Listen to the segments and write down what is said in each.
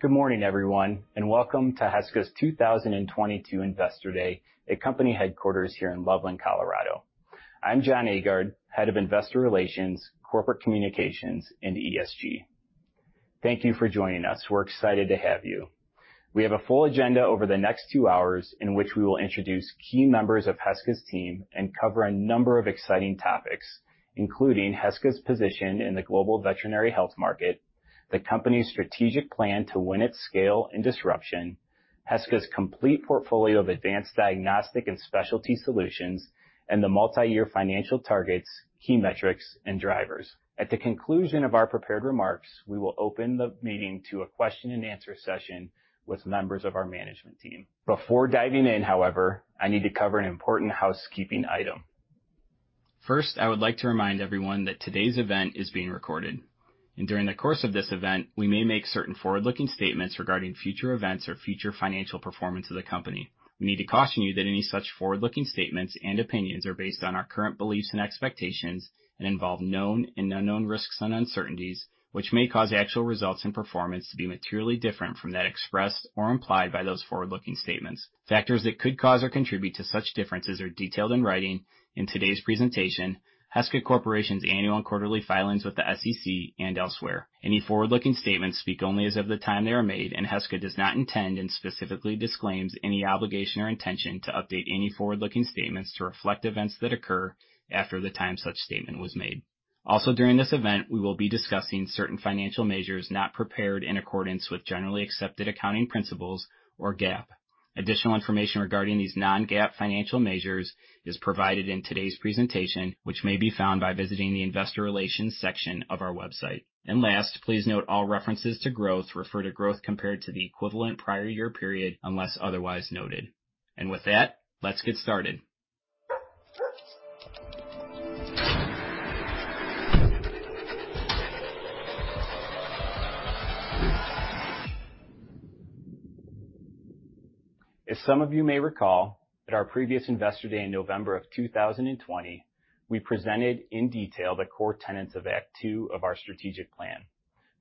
Good morning, everyone, and welcome to Heska's 2022 Investor Day at company headquarters here in Loveland, Colorado. I'm Jon Aagaard, Head of Investor Relations, Corporate Communications, and ESG. Thank you for joining us. We're excited to have you. We have a full agenda over the next two hours in which we will introduce key members of Heska's team and cover a number of exciting topics, including Heska's position in the global veterinary health market, the company's strategic plan to win at scale and disruption, Heska's complete portfolio of advanced diagnostic and specialty solutions, and the multi-year financial targets, key metrics, and drivers. At the conclusion of our prepared remarks, we will open the meeting to a question-and-answer session with members of our management team. Before diving in, however, I need to cover an important housekeeping item. First, I would like to remind everyone that today's event is being recorded, and during the course of this event, we may make certain forward-looking statements regarding future events or future financial performance of the company. We need to caution you that any such forward-looking statements and opinions are based on our current beliefs and expectations and involve known and unknown risks and uncertainties, which may cause actual results and performance to be materially different from that expressed or implied by those forward-looking statements. Factors that could cause or contribute to such differences are detailed in writing in today's presentation, Heska Corporation's annual and quarterly filings with the SEC and elsewhere. Any forward-looking statements speak only as of the time they are made, and Heska does not intend and specifically disclaims any obligation or intention to update any forward-looking statements to reflect events that occur after the time such statement was made. Also, during this event, we will be discussing certain financial measures not prepared in accordance with generally accepted accounting principles or GAAP. Additional information regarding these non-GAAP financial measures is provided in today's presentation, which may be found by visiting the investor relations section of our website. Last, please note all references to growth refer to growth compared to the equivalent prior year period, unless otherwise noted. With that, let's get started. As some of you may recall, at our previous Investor Day in November of 2020, we presented in detail the core tenets of Act Two of our strategic plan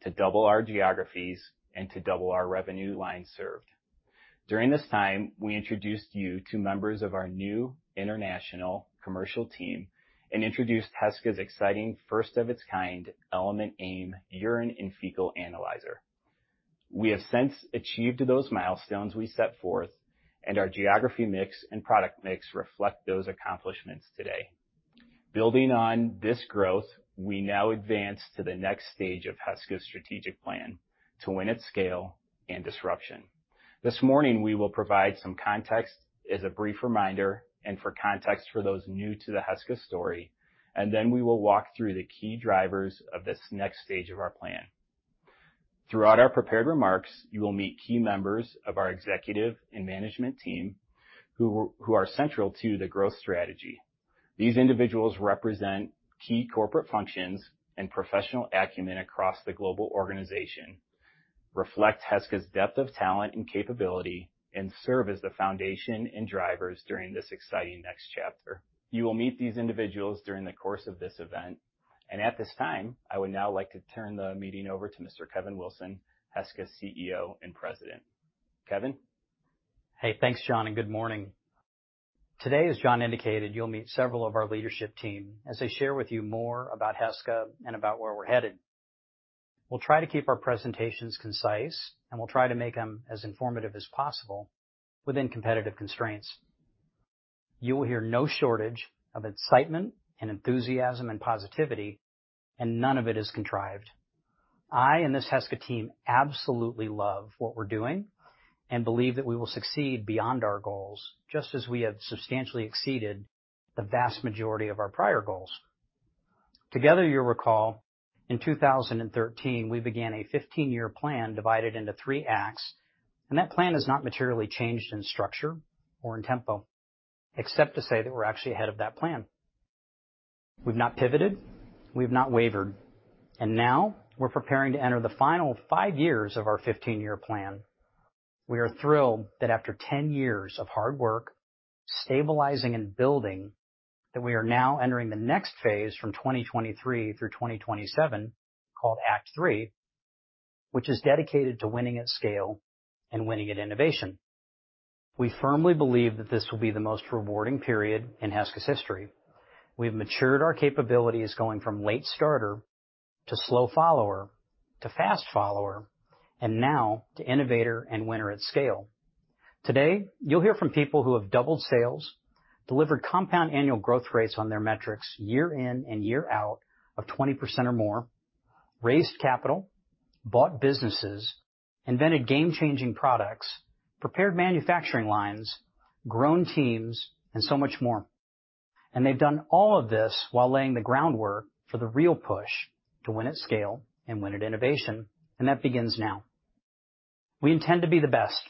to double our geographies and to double our revenue line served. During this time, we introduced you to members of our new international commercial team and introduced Heska's exciting first of its kind Element AIM urine and fecal analyzer. We have since achieved those milestones we set forth, and our geography mix and product mix reflect those accomplishments today. Building on this growth, we now advance to the next stage of Heska's strategic plan to win at scale and disruption. This morning, we will provide some context as a brief reminder and for context for those new to the Heska story, and then we will walk through the key drivers of this next stage of our plan. Throughout our prepared remarks, you will meet key members of our executive and management team who are central to the growth strategy. These individuals represent key corporate functions and professional acumen across the global organization, reflect Heska's depth of talent and capability, and serve as the foundation and drivers during this exciting next chapter. You will meet these individuals during the course of this event. At this time, I would now like to turn the meeting over to Mr. Kevin Wilson, Heska's CEO and President. Kevin? Hey, thanks, Jon, and good morning. Today, as Jon indicated, you'll meet several of our leadership team as they share with you more about Heska and about where we're headed. We'll try to keep our presentations concise, and we'll try to make them as informative as possible within competitive constraints. You will hear no shortage of excitement and enthusiasm and positivity, and none of it is contrived. I and this Heska team absolutely love what we're doing and believe that we will succeed beyond our goals, just as we have substantially exceeded the vast majority of our prior goals. Together, you'll recall, in 2013, we began a 15-year plan divided into three acts, and that plan has not materially changed in structure or in tempo, except to say that we're actually ahead of that plan. We've not pivoted, we've not wavered, and now we're preparing to enter the final five years of our 15-year plan. We are thrilled that after 10 years of hard work, stabilizing and building, that we are now entering the next phase from 2023 through 2027, called Act Three, which is dedicated to winning at scale and winning at innovation. We firmly believe that this will be the most rewarding period in Heska's history. We've matured our capabilities going from late starter to slow follower, to fast follower, and now to innovator and winner at scale. Today, you'll hear from people who have doubled sales, delivered compound annual growth rates on their metrics year in and year out of 20% or more, raised capital, bought businesses, invented game-changing products, prepared manufacturing lines, grown teams, and so much more. They've done all of this while laying the groundwork for the real push to win at scale and win at innovation, and that begins now. We intend to be the best.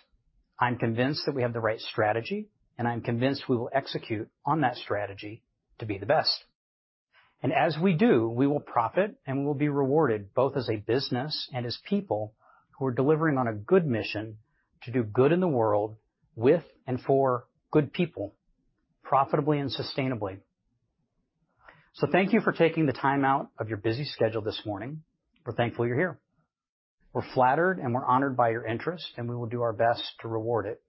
I'm convinced that we have the right strategy, and I'm convinced we will execute on that strategy to be the best. As we do, we will profit and we will be rewarded, both as a business and as people who are delivering on a good mission to do good in the world with and for good people, profitably and sustainably. Thank you for taking the time out of your busy schedule this morning. We're thankful you're here. We're flattered, and we're honored by your interest, and we will do our best to reward it.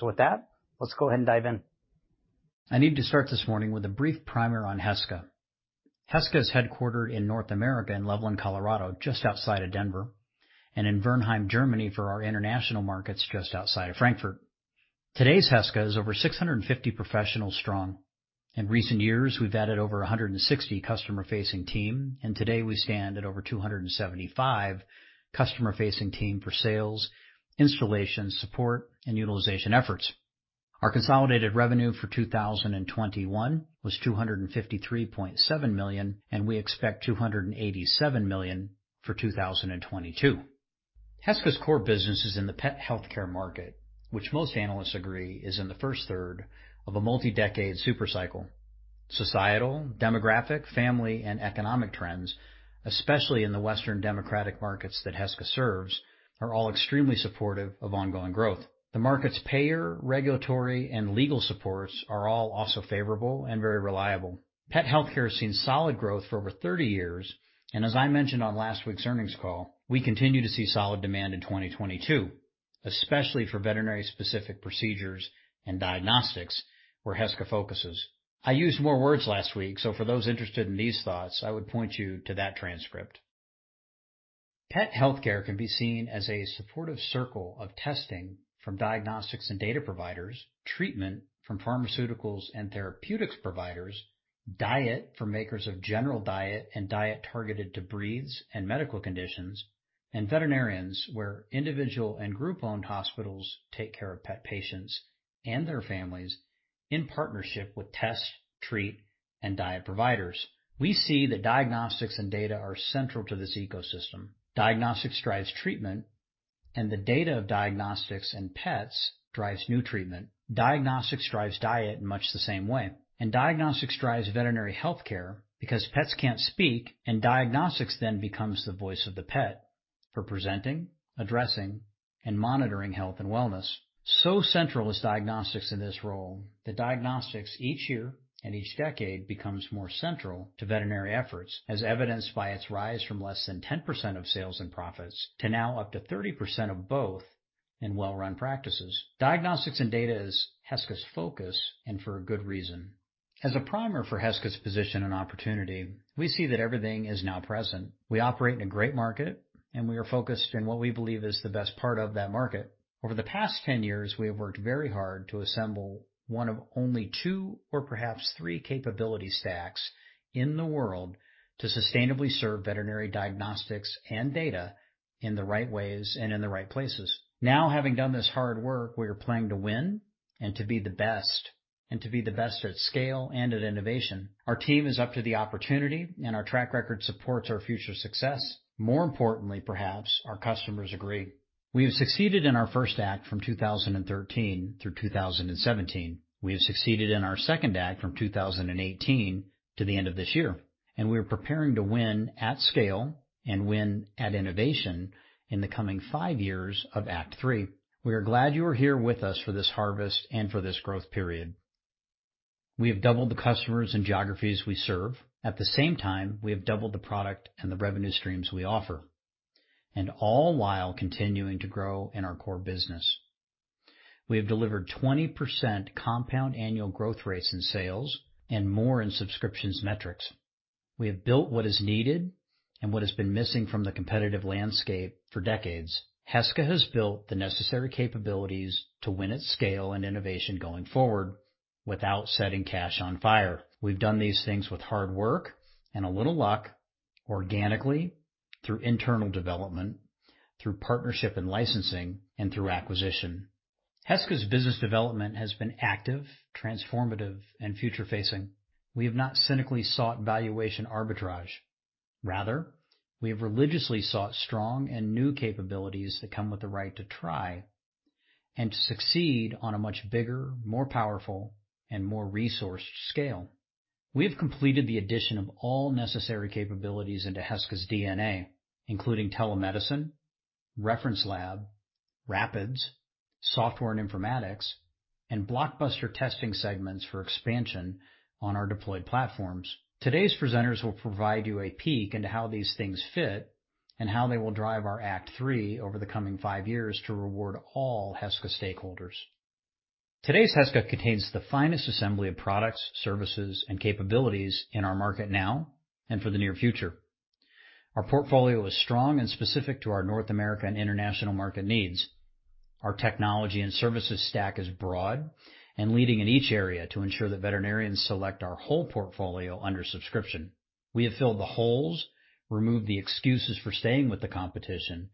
With that, let's go ahead and dive in. I need to start this morning with a brief primer on Heska. Heska is headquartered in North America in Loveland, Colorado, just outside of Denver, and in Viernheim, Germany for our international markets just outside of Frankfurt. Today's Heska is over 650 professionals strong. In recent years, we've added over 160 customer-facing team, and today we stand at over 275 customer-facing team for sales, installation, support, and utilization efforts. Our consolidated revenue for 2021 was $253.7 million, and we expect $287 million for 2022. Heska's core business is in the pet healthcare market, which most analysts agree is in the first third of a multi-decade super cycle. Societal, demographic, family, and economic trends, especially in the Western democratic markets that Heska serves, are all extremely supportive of ongoing growth. The market's payer, regulatory, and legal supports are all also favorable and very reliable. Pet healthcare has seen solid growth for over 30 years. As I mentioned on last week's earnings call, we continue to see solid demand in 2022, especially for veterinary specific procedures and diagnostics where Heska focuses. I used more words last week, so for those interested in these thoughts, I would point you to that transcript. Pet healthcare can be seen as a supportive circle of testing from diagnostics and data providers, treatment from pharmaceuticals and therapeutics providers, diet for makers of general diet and diet targeted to breeds and medical conditions, and veterinarians where individual and group-owned hospitals take care of pet patients and their families in partnership with test, treat, and diet providers. We see that diagnostics and data are central to this ecosystem. Diagnostics drives treatment, and the data of diagnostics in pets drives new treatment. Diagnostics drives diet in much the same way, and diagnostics drives veterinary healthcare because pets can't speak, and diagnostics then becomes the voice of the pet for presenting, addressing, and monitoring health and wellness. Central is diagnostics in this role that diagnostics each year and each decade becomes more central to veterinary efforts, as evidenced by its rise from less than 10% of sales and profits to now up to 30% of both in well-run practices. Diagnostics and data is Heska's focus and for a good reason. As a primer for Heska's position and opportunity, we see that everything is now present. We operate in a great market, and we are focused in what we believe is the best part of that market. Over the past 10 years, we have worked very hard to assemble one of only two or perhaps three capability stacks in the world to sustainably serve veterinary diagnostics and data in the right ways and in the right places. Now, having done this hard work, we are playing to win and to be the best, and to be the best at scale and at innovation. Our team is up to the opportunity, and our track record supports our future success. More importantly, perhaps, our customers agree. We have succeeded in our first act from 2013 through 2017. We have succeeded in our second act from 2018 to the end of this year. We are preparing to win at scale and win at innovation in the coming five years of Act Three. We are glad you are here with us for this harvest and for this growth period. We have doubled the customers and geographies we serve. At the same time, we have doubled the product and the revenue streams we offer, and all while continuing to grow in our core business. We have delivered 20% compound annual growth rates in sales and more in subscriptions metrics. We have built what is needed and what has been missing from the competitive landscape for decades. Heska has built the necessary capabilities to win at scale and innovation going forward without setting cash on fire. We've done these things with hard work and a little luck organically through internal development, through partnership and licensing, and through acquisition. Heska's business development has been active, transformative, and future-facing. We have not cynically sought valuation arbitrage. Rather, we have religiously sought strong and new capabilities that come with the right to try and to succeed on a much bigger, more powerful, and more resourced scale. We have completed the addition of all necessary capabilities into Heska's DNA, including telemedicine, reference lab, rapids, software and informatics, and blockbuster testing segments for expansion on our deployed platforms. Today's presenters will provide you a peek into how these things fit and how they will drive our Act Three over the coming five years to reward all Heska stakeholders. Today's Heska contains the finest assembly of products, services, and capabilities in our market now and for the near future. Our portfolio is strong and specific to our North America and international market needs. Our technology and services stack is broad and leading in each area to ensure that veterinarians select our whole portfolio under subscription. We have filled the holes, removed the excuses for staying with the competition, and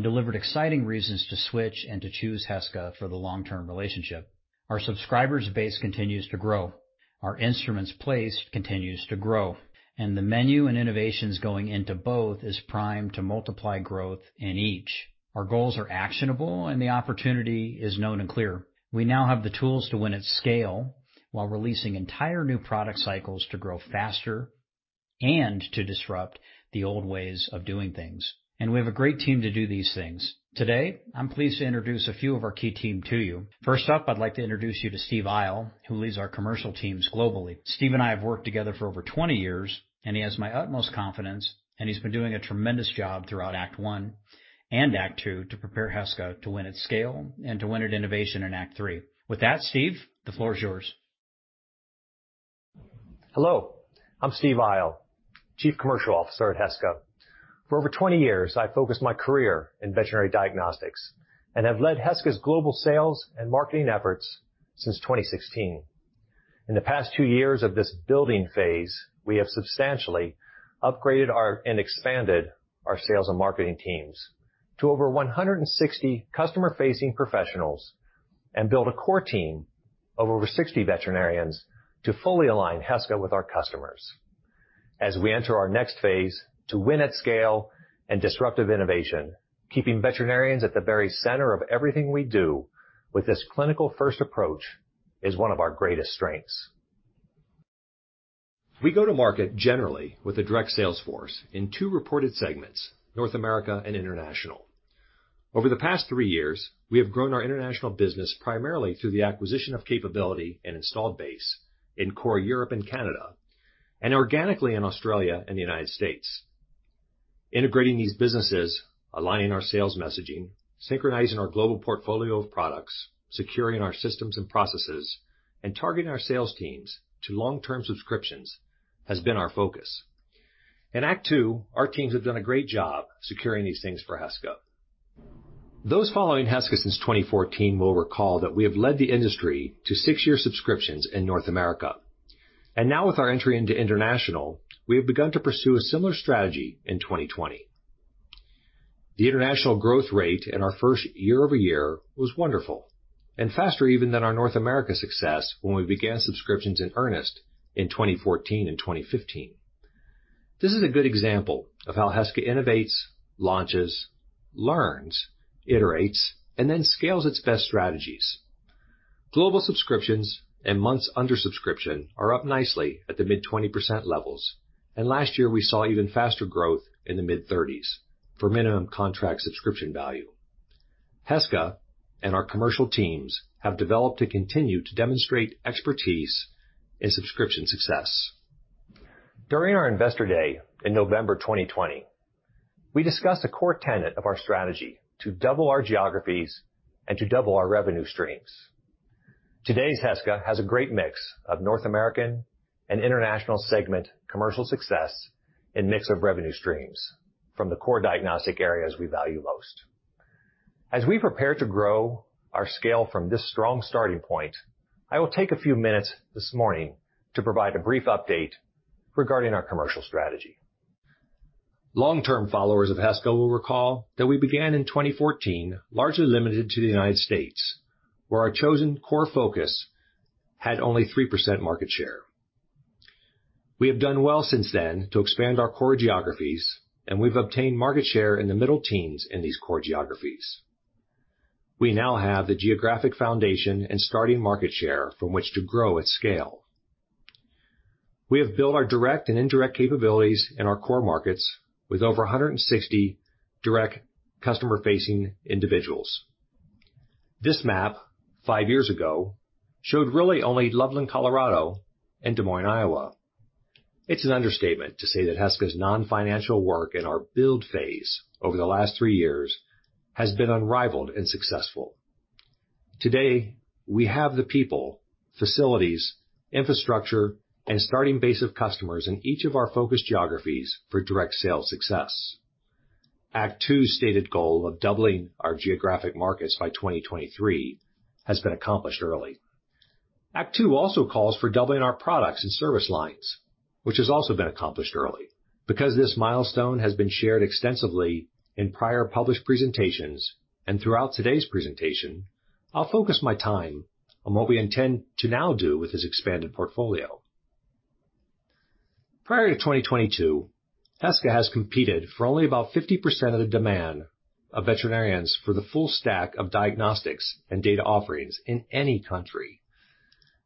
delivered exciting reasons to switch and to choose Heska for the long-term relationship. Our subscribers base continues to grow. Our instruments placed continues to grow, and the menu and innovations going into both is primed to multiply growth in each. Our goals are actionable, and the opportunity is known and clear. We now have the tools to win at scale while releasing entire new product cycles to grow faster and to disrupt the old ways of doing things. We have a great team to do these things. Today, I'm pleased to introduce a few of our key team to you. First up, I'd like to introduce you to Steve Eyl, who leads our commercial teams globally. Steve and I have worked together for over 20 years, and he has my utmost confidence, and he's been doing a tremendous job throughout Act One and Act Two to prepare Heska to win at scale and to win at innovation in Act Three. With that, Steve, the floor is yours. Hello, I'm Steve Eyl, Chief Commercial Officer at Heska. For over 20 years, I focused my career in veterinary diagnostics and have led Heska's global sales and marketing efforts since 2016. In the past two years of this building phase, we have substantially upgraded and expanded our sales and marketing teams to over 160 customer-facing professionals and built a core team of over 60 veterinarians to fully align Heska with our customers. As we enter our next phase to win at scale and disruptive innovation, keeping veterinarians at the very center of everything we do with this clinical-first approach is one of our greatest strengths. We go to market generally with a direct sales force in two reported segments, North America and International. Over the past three years, we have grown our international business primarily through the acquisition of capability and installed base in core Europe and Canada, and organically in Australia and the United States. Integrating these businesses, aligning our sales messaging, synchronizing our global portfolio of products, securing our systems and processes, and targeting our sales teams to long-term subscriptions has been our focus. In Act Two, our teams have done a great job securing these things for Heska. Those following Heska since 2014 will recall that we have led the industry to six-year subscriptions in North America. Now with our entry into international, we have begun to pursue a similar strategy in 2020. The international growth rate in our first year-over-year was wonderful and faster even than our North America success when we began subscriptions in earnest in 2014 and 2015. This is a good example of how Heska innovates, launches, learns, iterates, and then scales its best strategies. Global subscriptions and months under subscription are up nicely at the mid-20% levels, and last year we saw even faster growth in the mid-30s for minimum contract subscription value. Heska and our commercial teams have developed and continue to demonstrate expertise in subscription success. During our Investor Day in November 2020, we discussed a core tenet of our strategy to double our geographies and to double our revenue streams. Today's Heska has a great mix of North American and international segment commercial success and mix of revenue streams from the core diagnostic areas we value most. As we prepare to grow our scale from this strong starting point, I will take a few minutes this morning to provide a brief update regarding our commercial strategy. Long-term followers of Heska will recall that we began in 2014, largely limited to the United States, where our chosen core focus had only 3% market share. We have done well since then to expand our core geographies, and we've obtained market share in the middle teens in these core geographies. We now have the geographic foundation and starting market share from which to grow at scale. We have built our direct and indirect capabilities in our core markets with over 160 direct customer-facing individuals. This map five years ago showed really only Loveland, Colorado, and Des Moines, Iowa. It's an understatement to say that Heska's non-financial work in our build phase over the last three years has been unrivaled and successful. Today, we have the people, facilities, infrastructure, and starting base of customers in each of our focus geographies for direct sales success. Act Two's stated goal of doubling our geographic markets by 2023 has been accomplished early. Act Two also calls for doubling our products and service lines, which has also been accomplished early. Because this milestone has been shared extensively in prior published presentations and throughout today's presentation, I'll focus my time on what we intend to now do with this expanded portfolio. Prior to 2022, Heska has competed for only about 50% of the demand of veterinarians for the full stack of diagnostics and data offerings in any country.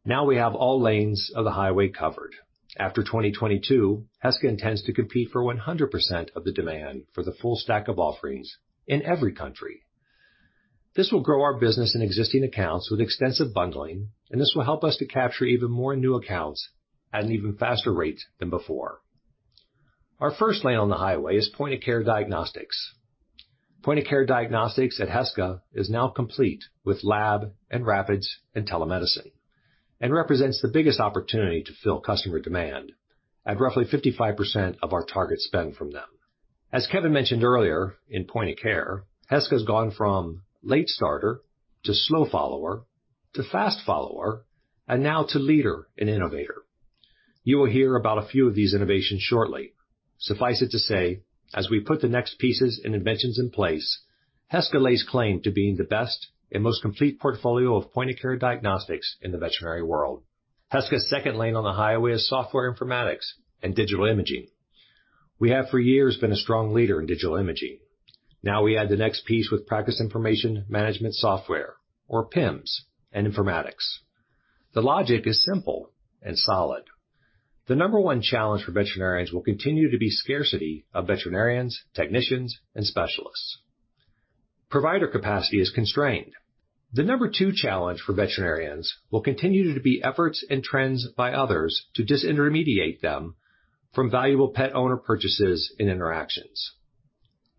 Now we have all lanes of the highway covered. After 2022, Heska intends to compete for 100% of the demand for the full stack of offerings in every country. This will grow our business in existing accounts with extensive bundling, and this will help us to capture even more new accounts at an even faster rate than before. Our first lane on the highway is point-of-care diagnostics. Point-of-care diagnostics at Heska is now complete with lab and rapids and telemedicine, and represents the biggest opportunity to fill customer demand at roughly 55% of our target spend from them. As Kevin mentioned earlier in point-of-care, Heska has gone from late starter to slow follower to fast follower and now to leader and innovator. You will hear about a few of these innovations shortly. Suffice it to say, as we put the next pieces and inventions in place, Heska lays claim to being the best and most complete portfolio of point-of-care diagnostics in the veterinary world. Heska's second lane on the highway is software informatics and digital imaging. We have for years been a strong leader in digital imaging. Now we add the next piece with Practice Information Management Software or PIMS and informatics. The logic is simple and solid. The number one challenge for veterinarians will continue to be scarcity of veterinarians, technicians and specialists. Provider capacity is constrained. The number two challenge for veterinarians will continue to be efforts and trends by others to disintermediate them from valuable pet owner purchases and interactions.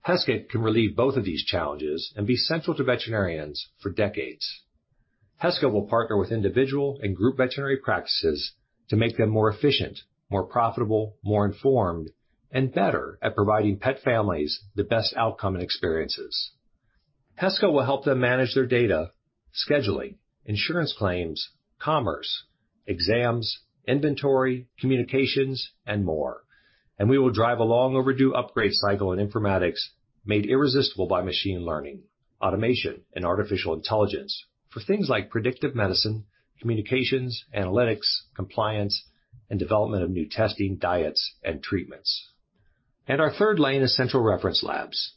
Heska can relieve both of these challenges and be central to veterinarians for decades. Heska will partner with individual and group veterinary practices to make them more efficient, more profitable, more informed, and better at providing pet families the best outcome and experiences. Heska will help them manage their data, scheduling, insurance claims, commerce, exams, inventory, communications and more. We will drive a long overdue upgrade cycle in informatics made irresistible by machine learning, automation and artificial intelligence for things like predictive medicine, communications, analytics, compliance and development of new testing, diets and treatments. Our third lane is central reference labs.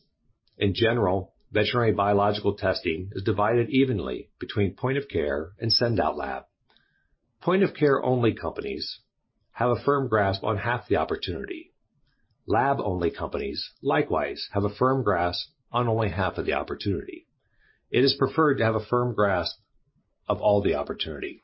In general, veterinary biological testing is divided evenly between point-of-care and send-out lab. Point-of-care only companies have a firm grasp on half the opportunity. Lab only companies likewise have a firm grasp on only half of the opportunity. It is preferred to have a firm grasp of all the opportunity.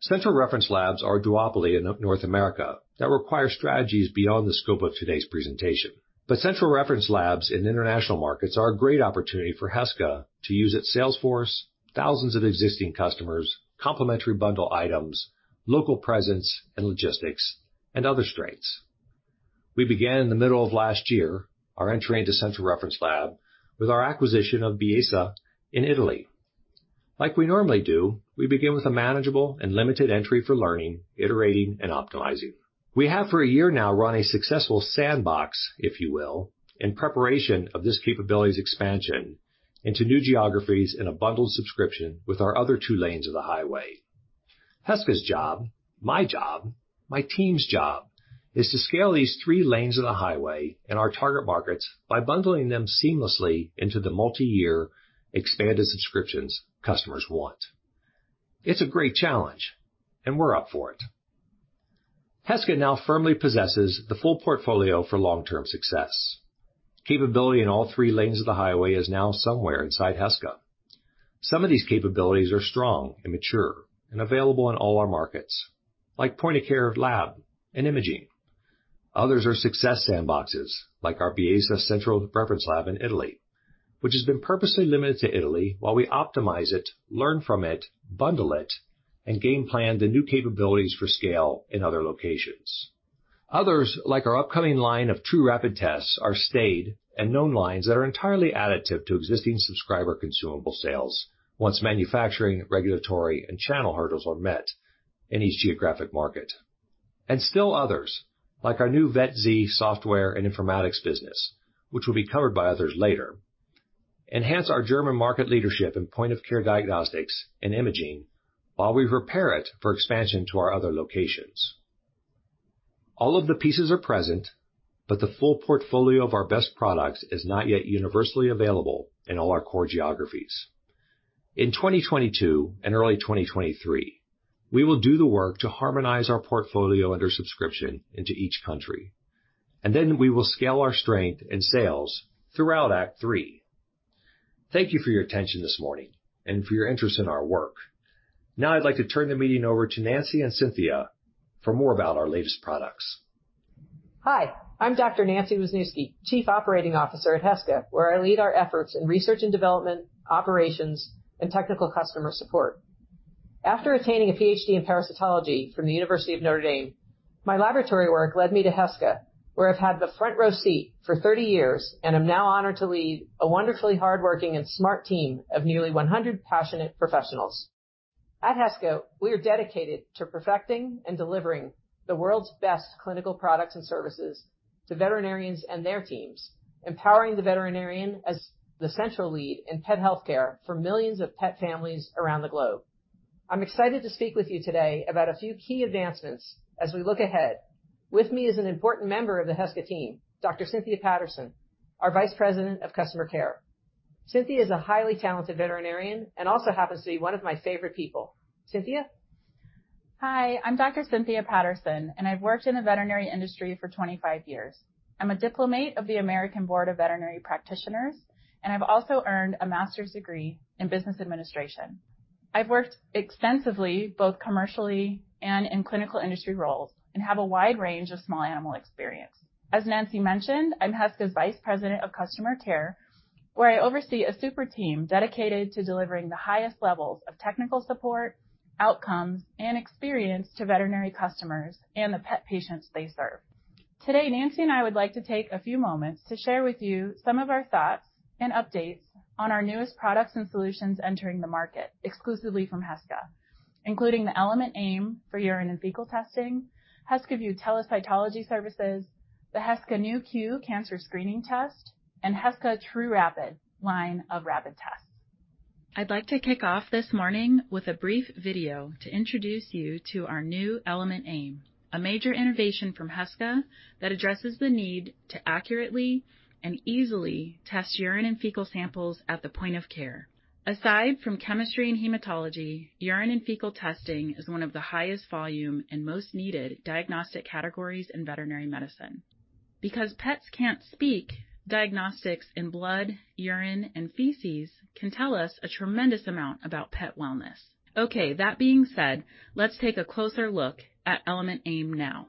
Central reference labs are a duopoly in North America that require strategies beyond the scope of today's presentation. Central reference labs in international markets are a great opportunity for Heska to use its sales force, thousands of existing customers, complementary bundle items, local presence and logistics and other strengths. We began in the middle of last year, our entry into central reference lab with our acquisition of Bioanalisi in Italy. Like we normally do, we begin with a manageable and limited entry for learning, iterating and optimizing. We have for a year now run a successful sandbox, if you will, in preparation of this capabilities expansion into new geographies in a bundled subscription with our other two lanes of the highway. Heska's job, my job, my team's job is to scale these three lanes of the highway in our target markets by bundling them seamlessly into the multi-year expanded subscriptions customers want. It's a great challenge and we're up for it. Heska now firmly possesses the full portfolio for long-term success. Capability in all three lanes of the highway is now somewhere inside Heska. Some of these capabilities are strong and mature and available in all our markets, like point-of-care lab and imaging. Others are success sandboxes, like our Bioanalisi central reference lab in Italy, which has been purposely limited to Italy while we optimize it, learn from it, bundle it, and game plan the new capabilities for scale in other locations. Others, like our upcoming line of trūRapid tests, are staged and known lines that are entirely additive to existing subscriber consumable sales once manufacturing, regulatory and channel hurdles are met in each geographic market. Still others, like our new VetZ software and informatics business, which will be covered by others later, enhance our German market leadership in point-of-care diagnostics and imaging while we prepare it for expansion to our other locations. All of the pieces are present, but the full portfolio of our best products is not yet universally available in all our core geographies. In 2022 and early 2023, we will do the work to harmonize our portfolio under subscription into each country, and then we will scale our strength and sales throughout Act Three. Thank you for your attention this morning and for your interest in our work. Now I'd like to turn the meeting over to Nancy and Cynthia for more about our latest products. Hi, I'm Dr. Nancy Wisnewski, Chief Operating Officer at Heska, where I lead our efforts in research and development, operations and technical customer support. After attaining a Ph.D. in parasitology from the University of Notre Dame, my laboratory work led me to Heska, where I've had the front row seat for 30 years, and am now honored to lead a wonderfully hardworking and smart team of nearly 100 passionate professionals. At Heska, we are dedicated to perfecting and delivering the world's best clinical products and services to veterinarians and their teams, empowering the veterinarian as the central lead in pet healthcare for millions of pet families around the globe. I'm excited to speak with you today about a few key advancements as we look ahead. With me is an important member of the Heska team, Dr. Cynthia Patterson, our Vice President of Customer Care. Cynthia is a highly talented veterinarian and also happens to be one of my favorite people. Cynthia. Hi, I'm Dr. Cynthia Patterson, and I've worked in the veterinary industry for 25 years. I'm a diplomate of the American Board of Veterinary Practitioners, and I've also earned a master's degree in business administration. I've worked extensively both commercially and in clinical industry roles and have a wide range of small animal experience. As Nancy Wisnewski mentioned, I'm Heska's Vice President of Customer Care, where I oversee a super team dedicated to delivering the highest levels of technical support, outcomes, and experience to veterinary customers and the pet patients they serve. Today, Nancy and I would like to take a few moments to share with you some of our thoughts and updates on our newest products and solutions entering the market exclusively from Heska, including the Element AIM for urine and fecal testing, HeskaView Telecytology services, the Heska Nu.Q Cancer Screening Test, and Heska trūRapid line of rapid tests. I'd like to kick off this morning with a brief video to introduce you to our new Element AIM, a major innovation from Heska that addresses the need to accurately and easily test urine and fecal samples at the point-of-care. Aside from chemistry and hematology, urine and fecal testing is one of the highest volume and most needed diagnostic categories in veterinary medicine. Because pets can't speak, diagnostics in blood, urine, and feces can tell us a tremendous amount about pet wellness. Okay, that being said, let's take a closer look at Element AIM now.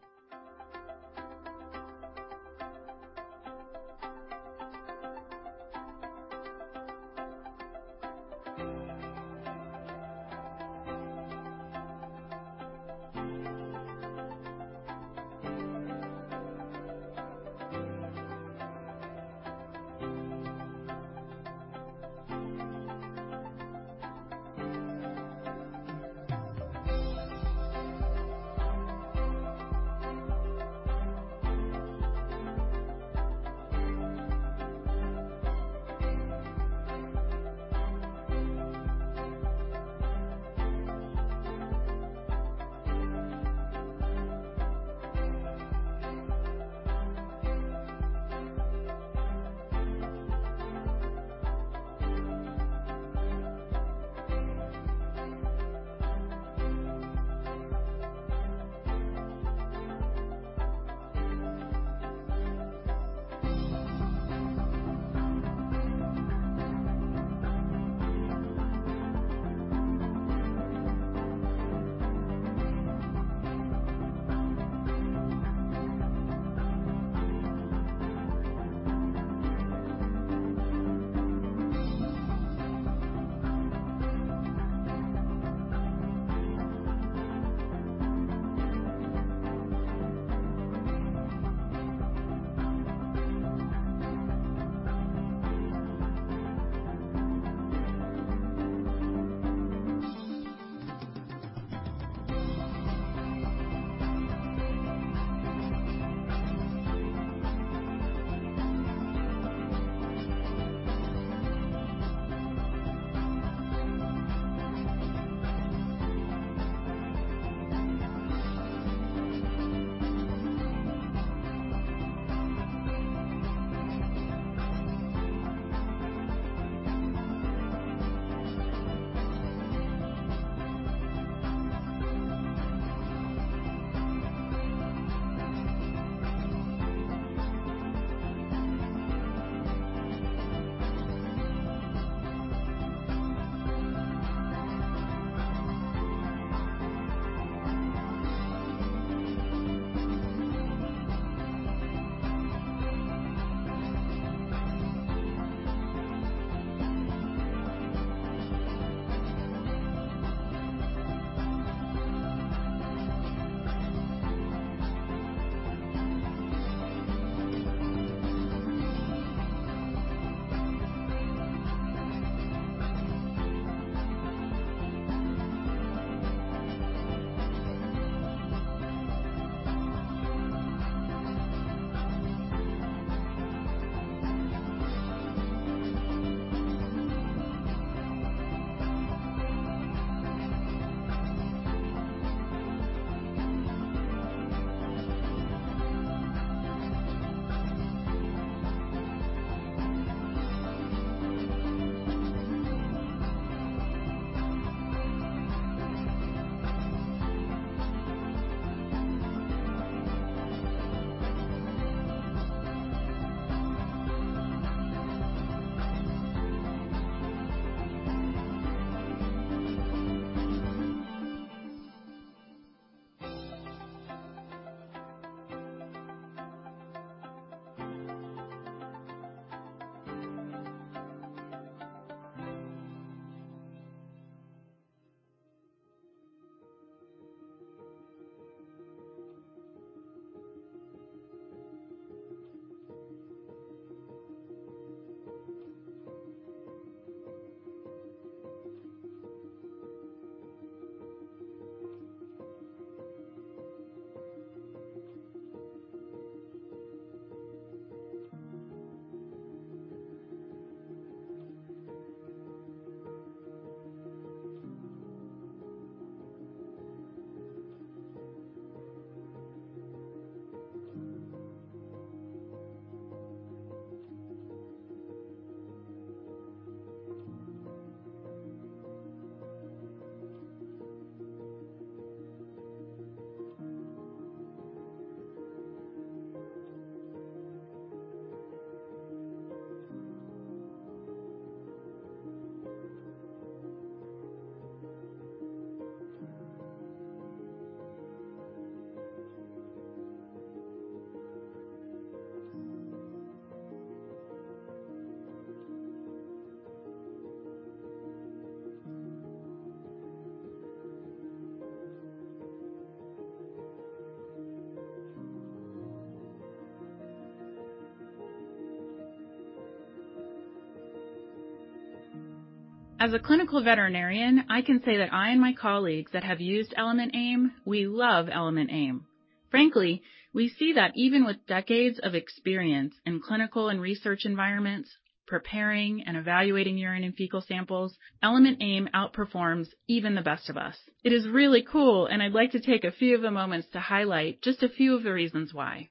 As a clinical veterinarian, I can say that I and my colleagues that have used Element AIM, we love Element AIM. Frankly, we see that even with decades of experience in clinical and research environments, preparing and evaluating urine and fecal samples, Element AIM outperforms even the best of us. It is really cool, and I'd like to take a few of the moments to highlight just a few of the reasons why.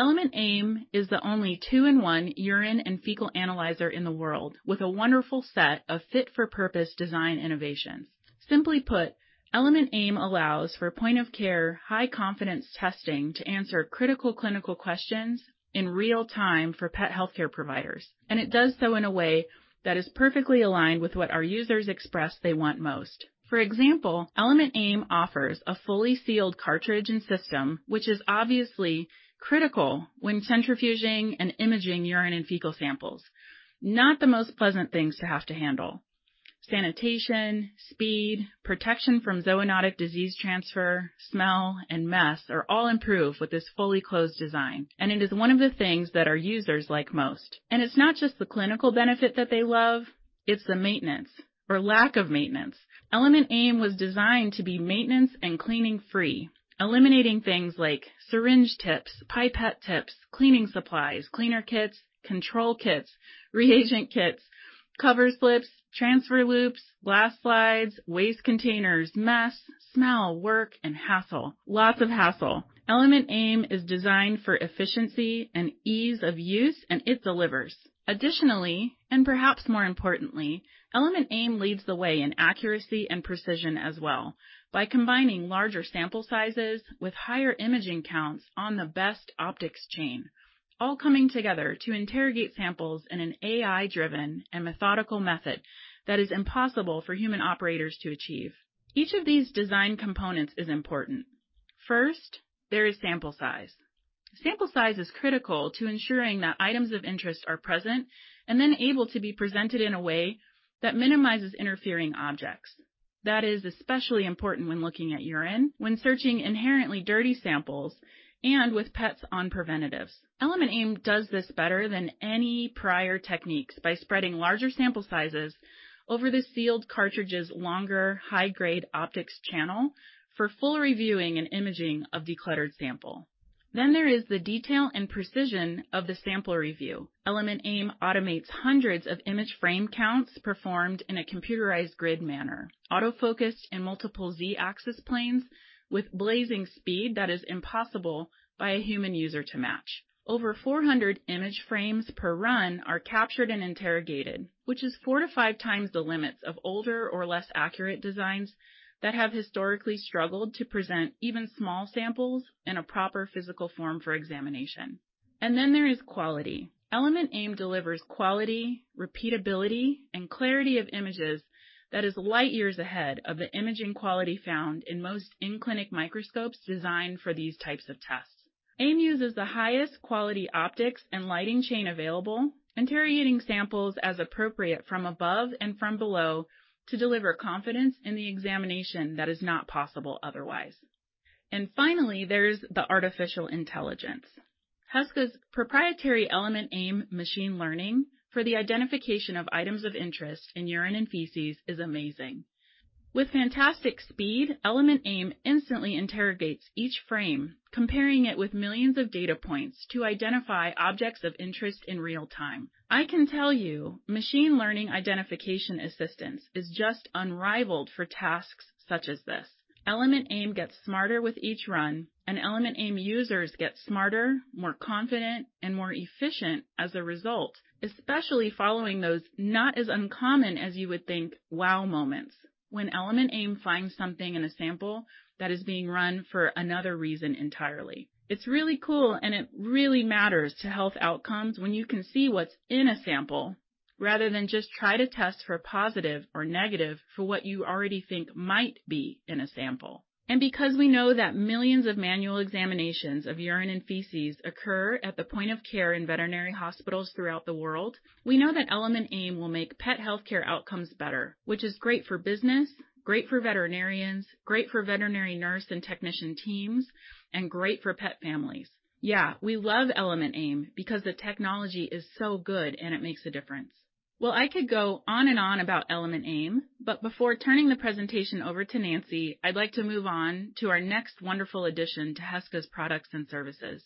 Element AIM is the only two-in-one urine and fecal analyzer in the world with a wonderful set of fit-for-purpose design innovations. Simply put, Element AIM allows for point-of-care, high-confidence testing to answer critical clinical questions in real-time for pet healthcare providers, and it does so in a way that is perfectly aligned with what our users express they want most. For example, Element AIM offers a fully sealed cartridge and system, which is obviously critical when centrifuging and imaging urine and fecal samples. Not the most pleasant things to have to handle. Sanitation, speed, protection from zoonotic disease transfer, smell, and mess are all improved with this fully closed design, and it is one of the things that our users like most. It's not just the clinical benefit that they love, it's the maintenance or lack of maintenance. Element AIM was designed to be maintenance and cleaning-free, eliminating things like syringe tips, pipette tips, cleaning supplies, cleaner kits, control kits, reagent kits, cover slips, transfer loops, glass slides, waste containers, mess, smell, work, and hassle. Lots of hassle. Element AIM is designed for efficiency and ease of use, and it delivers. Additionally, and perhaps more importantly, Element AIM leads the way in accuracy and precision as well by combining larger sample sizes with higher imaging counts on the best optics channel, all coming together to interrogate samples in an AI-driven and methodical method that is impossible for human operators to achieve. Each of these design components is important. First, there is sample size. Sample size is critical to ensuring that items of interest are present and then able to be presented in a way that minimizes interfering objects. That is especially important when looking at urine, when searching inherently dirty samples, and with pets on preventatives. Element AIM does this better than any prior techniques by spreading larger sample sizes over the sealed cartridge's longer, high-grade optics channel for full reviewing and imaging of decluttered sample. There is the detail and precision of the sample review. Element AIM automates hundreds of image frame counts performed in a computerized grid manner, auto-focused in multiple Z-axis planes with blazing speed that is impossible by a human user to match. Over 400 image frames per run are captured and interrogated, which is 4-5x the limits of older or less accurate designs that have historically struggled to present even small samples in a proper physical form for examination. There is quality. Element AIM delivers quality, repeatability, and clarity of images that is light years ahead of the imaging quality found in most in-clinic microscopes designed for these types of tests. AIM uses the highest quality optics and lighting chain available, interrogating samples as appropriate from above and from below to deliver confidence in the examination that is not possible otherwise. Finally, there's the artificial intelligence. Heska's proprietary Element AIM machine learning for the identification of items of interest in urine and feces is amazing. With fantastic speed, Element AIM instantly interrogates each frame, comparing it with millions of data points to identify objects of interest in real time. I can tell you, machine learning identification assistance is just unrivaled for tasks such as this. Element AIM gets smarter with each run, and Element AIM users get smarter, more confident, and more efficient as a result, especially following those not as uncommon as you would think wow moments when Element AIM finds something in a sample that is being run for another reason entirely. It's really cool, and it really matters to health outcomes when you can see what's in a sample rather than just try to test for positive or negative for what you already think might be in a sample. Because we know that millions of manual examinations of urine and feces occur at the point-of-care in veterinary hospitals throughout the world, we know that Element AIM will make pet healthcare outcomes better, which is great for business, great for veterinarians, great for veterinary nurse and technician teams, and great for pet families. Yeah, we love Element AIM because the technology is so good, and it makes a difference. Well, I could go on and on about Element AIM, but before turning the presentation over to Nancy, I'd like to move on to our next wonderful addition to Heska's products and services.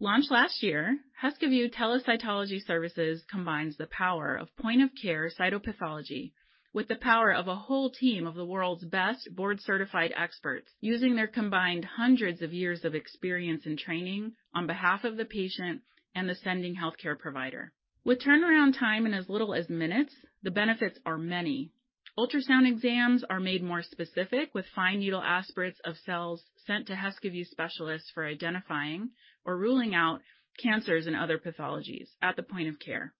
Launched last year, HeskaView Telecytology services combines the power of point-of-care cytopathology with the power of a whole team of the world's best board-certified experts using their combined hundreds of years of experience and training on behalf of the patient and the sending healthcare provider. With turnaround time in as little as minutes, the benefits are many. Ultrasound exams are made more specific with fine needle aspirates of cells sent to HeskaView specialists for identifying or ruling out cancers and other pathologies at the point-of-care.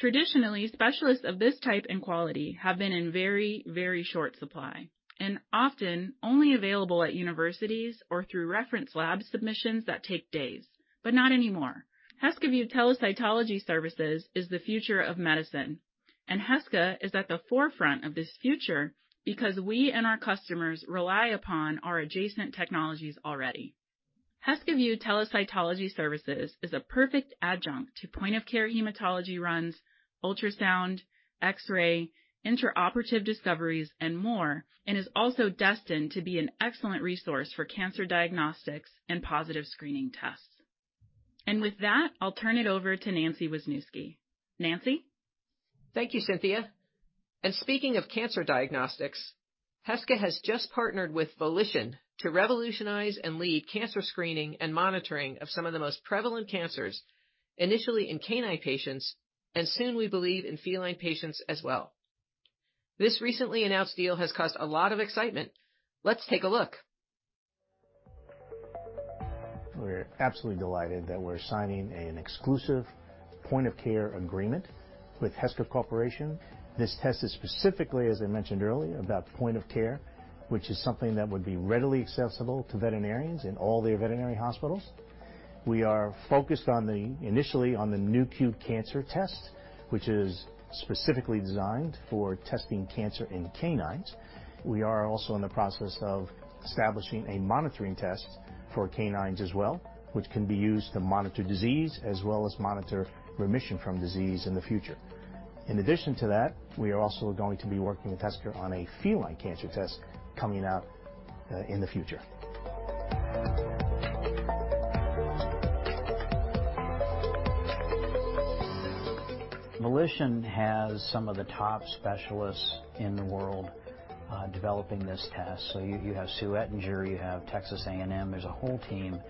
Traditionally, specialists of this type and quality have been in very, very short supply and often only available at universities or through reference lab submissions that take days, but not anymore. HeskaView Telecytology services is the future of medicine, and Heska is at the forefront of this future because we and our customers rely upon our adjacent technologies already. HeskaView Telecytology is a perfect adjunct to point-of-care hematology runs, ultrasound, X-ray, intraoperative discoveries, and more, and is also destined to be an excellent resource for cancer diagnostics and positive screening tests. With that, I'll turn it over to Nancy Wisnewski. Nancy? Thank you, Cynthia. Speaking of cancer diagnostics, Heska has just partnered with Volition to revolutionize and lead cancer screening and monitoring of some of the most prevalent cancers, initially in canine patients, and soon, we believe in feline patients as well. This recently announced deal has caused a lot of excitement. Let's take a look. We're absolutely delighted that we're signing an exclusive point-of-care agreement with Heska Corporation. This test is specifically, as I mentioned earlier, about point-of-care, which is something that would be readily accessible to veterinarians in all their veterinary hospitals. We are focused initially on the Nu.Q Cancer Test, which is specifically designed for testing cancer in canines. We are also in the process of establishing a monitoring test for canines as well, which can be used to monitor disease as well as monitor remission from disease in the future. In addition to that, we are also going to be working with Heska on a feline cancer test coming out in the future. Volition has some of the top specialists in the world developing this test. You have Sue Ettinger, you have Texas A&M. There's a whole team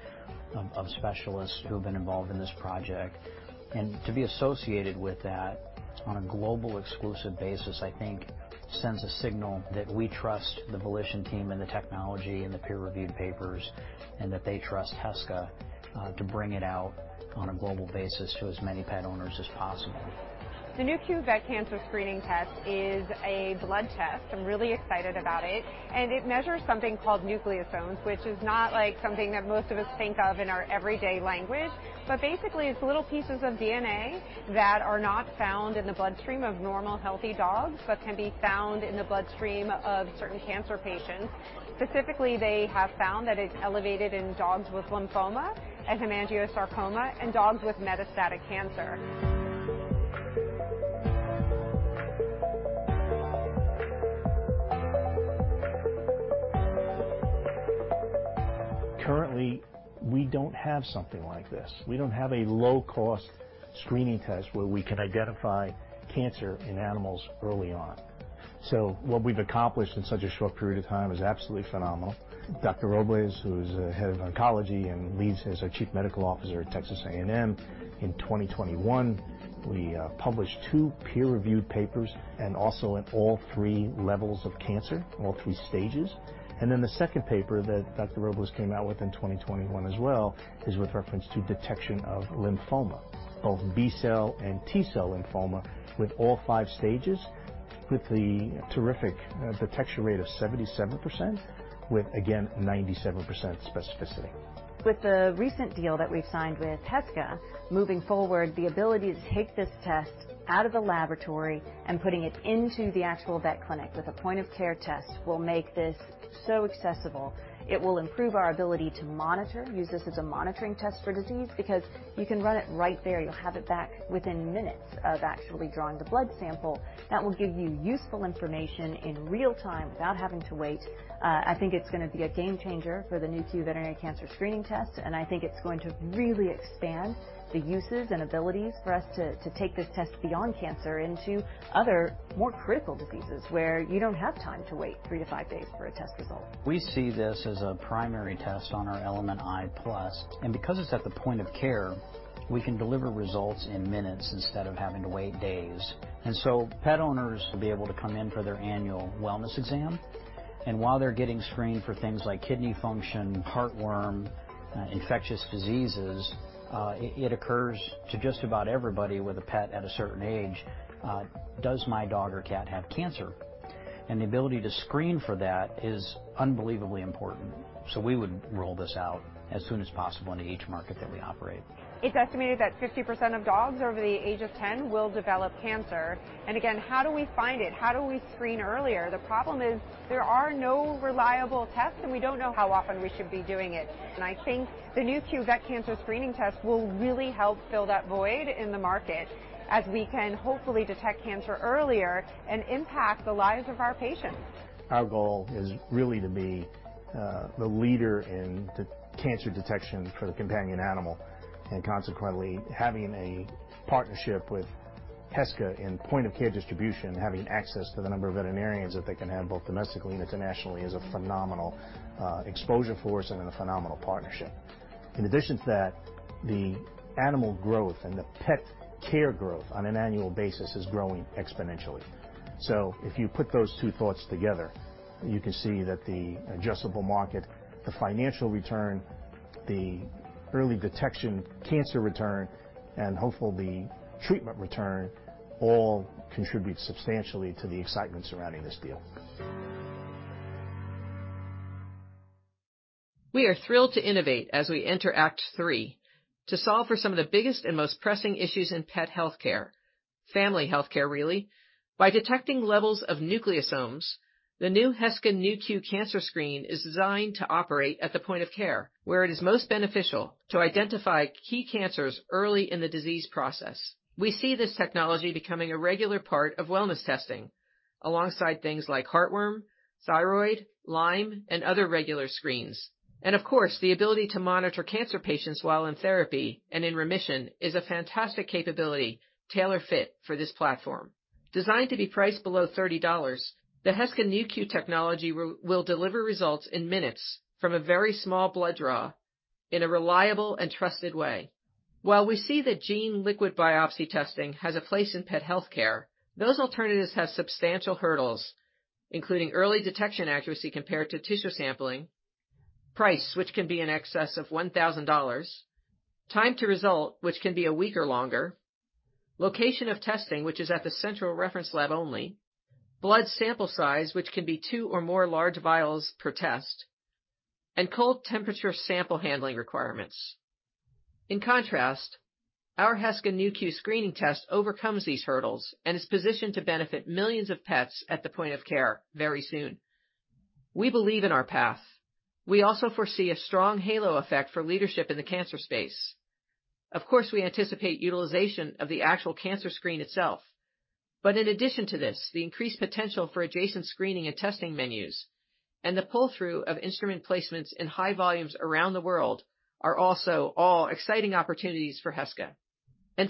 of specialists who have been involved in this project. To be associated with that on a global exclusive basis, I think sends a signal that we trust the Volition team and the technology and the peer-reviewed papers and that they trust Heska to bring it out on a global basis to as many pet owners as possible. The Nu.Q Vet Cancer Screening Test is a blood test. I'm really excited about it. It measures something called nucleosomes, which is not like something that most of us think of in our everyday language. Basically, it's little pieces of DNA that are not found in the bloodstream of normal, healthy dogs, but can be found in the bloodstream of certain cancer patients. Specifically, they have found that it's elevated in dogs with lymphoma, hemangiosarcoma, and dogs with metastatic cancer. Currently, we don't have something like this. We don't have a low-cost screening test where we can identify cancer in animals early on. What we've accomplished in such a short period of time is absolutely phenomenal. Dr. Robles, who's Head of Oncology and leads as our Chief Medical Officer at Texas A&M, in 2021, we published two peer-reviewed papers and also in all three levels of cancer, all three stages. The second paper that Dr. Robles came out with in 2021 as well is with reference to detection of lymphoma, both B-cell and T-cell lymphoma, with all five stages, with the terrific detection rate of 77%, with again, 97% specificity. With the recent deal that we've signed with Heska, moving forward, the ability to take this test out of the laboratory and putting it into the actual vet clinic with a point-of-care test will make this so accessible. It will improve our ability to monitor, use this as a monitoring test for disease, because you can run it right there. You'll have it back within minutes of actually drawing the blood sample. That will give you useful information in real-time without having to wait. I think it's gonna be a game changer for the Nu.Q Vet Cancer Screening Test, and I think it's going to really expand the uses and abilities for us to take this test beyond cancer into other more critical diseases where you don't have time to wait three to five days for a test result. We see this as a primary test on our Element i+. Because it's at the point-of-care, we can deliver results in minutes instead of having to wait days. Pet owners will be able to come in for their annual wellness exam, and while they're getting screened for things like kidney function, heartworm, infectious diseases, it occurs to just about everybody with a pet at a certain age, "Does my dog or cat have cancer?" The ability to screen for that is unbelievably important. We would roll this out as soon as possible into each market that we operate. It's estimated that 50% of dogs over the age of 10 will develop cancer. Again, how do we find it? How do we screen earlier? The problem is there are no reliable tests, and we don't know how often we should be doing it. I think the Nu.Q Vet Cancer Screening Test will really help fill that void in the market as we can hopefully detect cancer earlier and impact the lives of our patients. Our goal is really to be the leader in cancer detection for the companion animal. Consequently, having a partnership with Heska in point-of-care distribution, having access to the number of veterinarians that they can have both domestically and internationally, is a phenomenal exposure for us and a phenomenal partnership. In addition to that, the animal growth and the pet care growth on an annual basis is growing exponentially. If you put those two thoughts together, you can see that the addressable market, the financial return, the early detection cancer return, and hopefully treatment return, all contribute substantially to the excitement surrounding this deal. We are thrilled to innovate as we enter Act Three to solve for some of the biggest and most pressing issues in pet healthcare, family healthcare really, by detecting levels of nucleosomes. The new Heska Nu.Q Cancer Screen is designed to operate at the point-of-care where it is most beneficial to identify key cancers early in the disease process. We see this technology becoming a regular part of wellness testing. Alongside things like heartworm, thyroid, Lyme, and other regular screens. Of course, the ability to monitor cancer patients while in therapy and in remission is a fantastic capability, tailor-fit for this platform. Designed to be priced below $30, the Heska Nu.Q technology will deliver results in minutes from a very small blood draw in a reliable and trusted way. While we see that gene liquid biopsy testing has a place in pet healthcare, those alternatives have substantial hurdles, including early detection accuracy compared to tissue sampling, price, which can be in excess of $1,000, time to result, which can be a week or longer, location of testing, which is at the central reference lab only, blood sample size, which can be two or more large vials per test, and cold temperature sample handling requirements. In contrast, our Heska Nu.Q Screening Test overcomes these hurdles and is positioned to benefit millions of pets at the point-of-care very soon. We believe in our path. We also foresee a strong halo effect for leadership in the cancer space. Of course, we anticipate utilization of the actual cancer screen itself. In addition to this, the increased potential for adjacent screening and testing menus and the pull-through of instrument placements in high volumes around the world are also all exciting opportunities for Heska.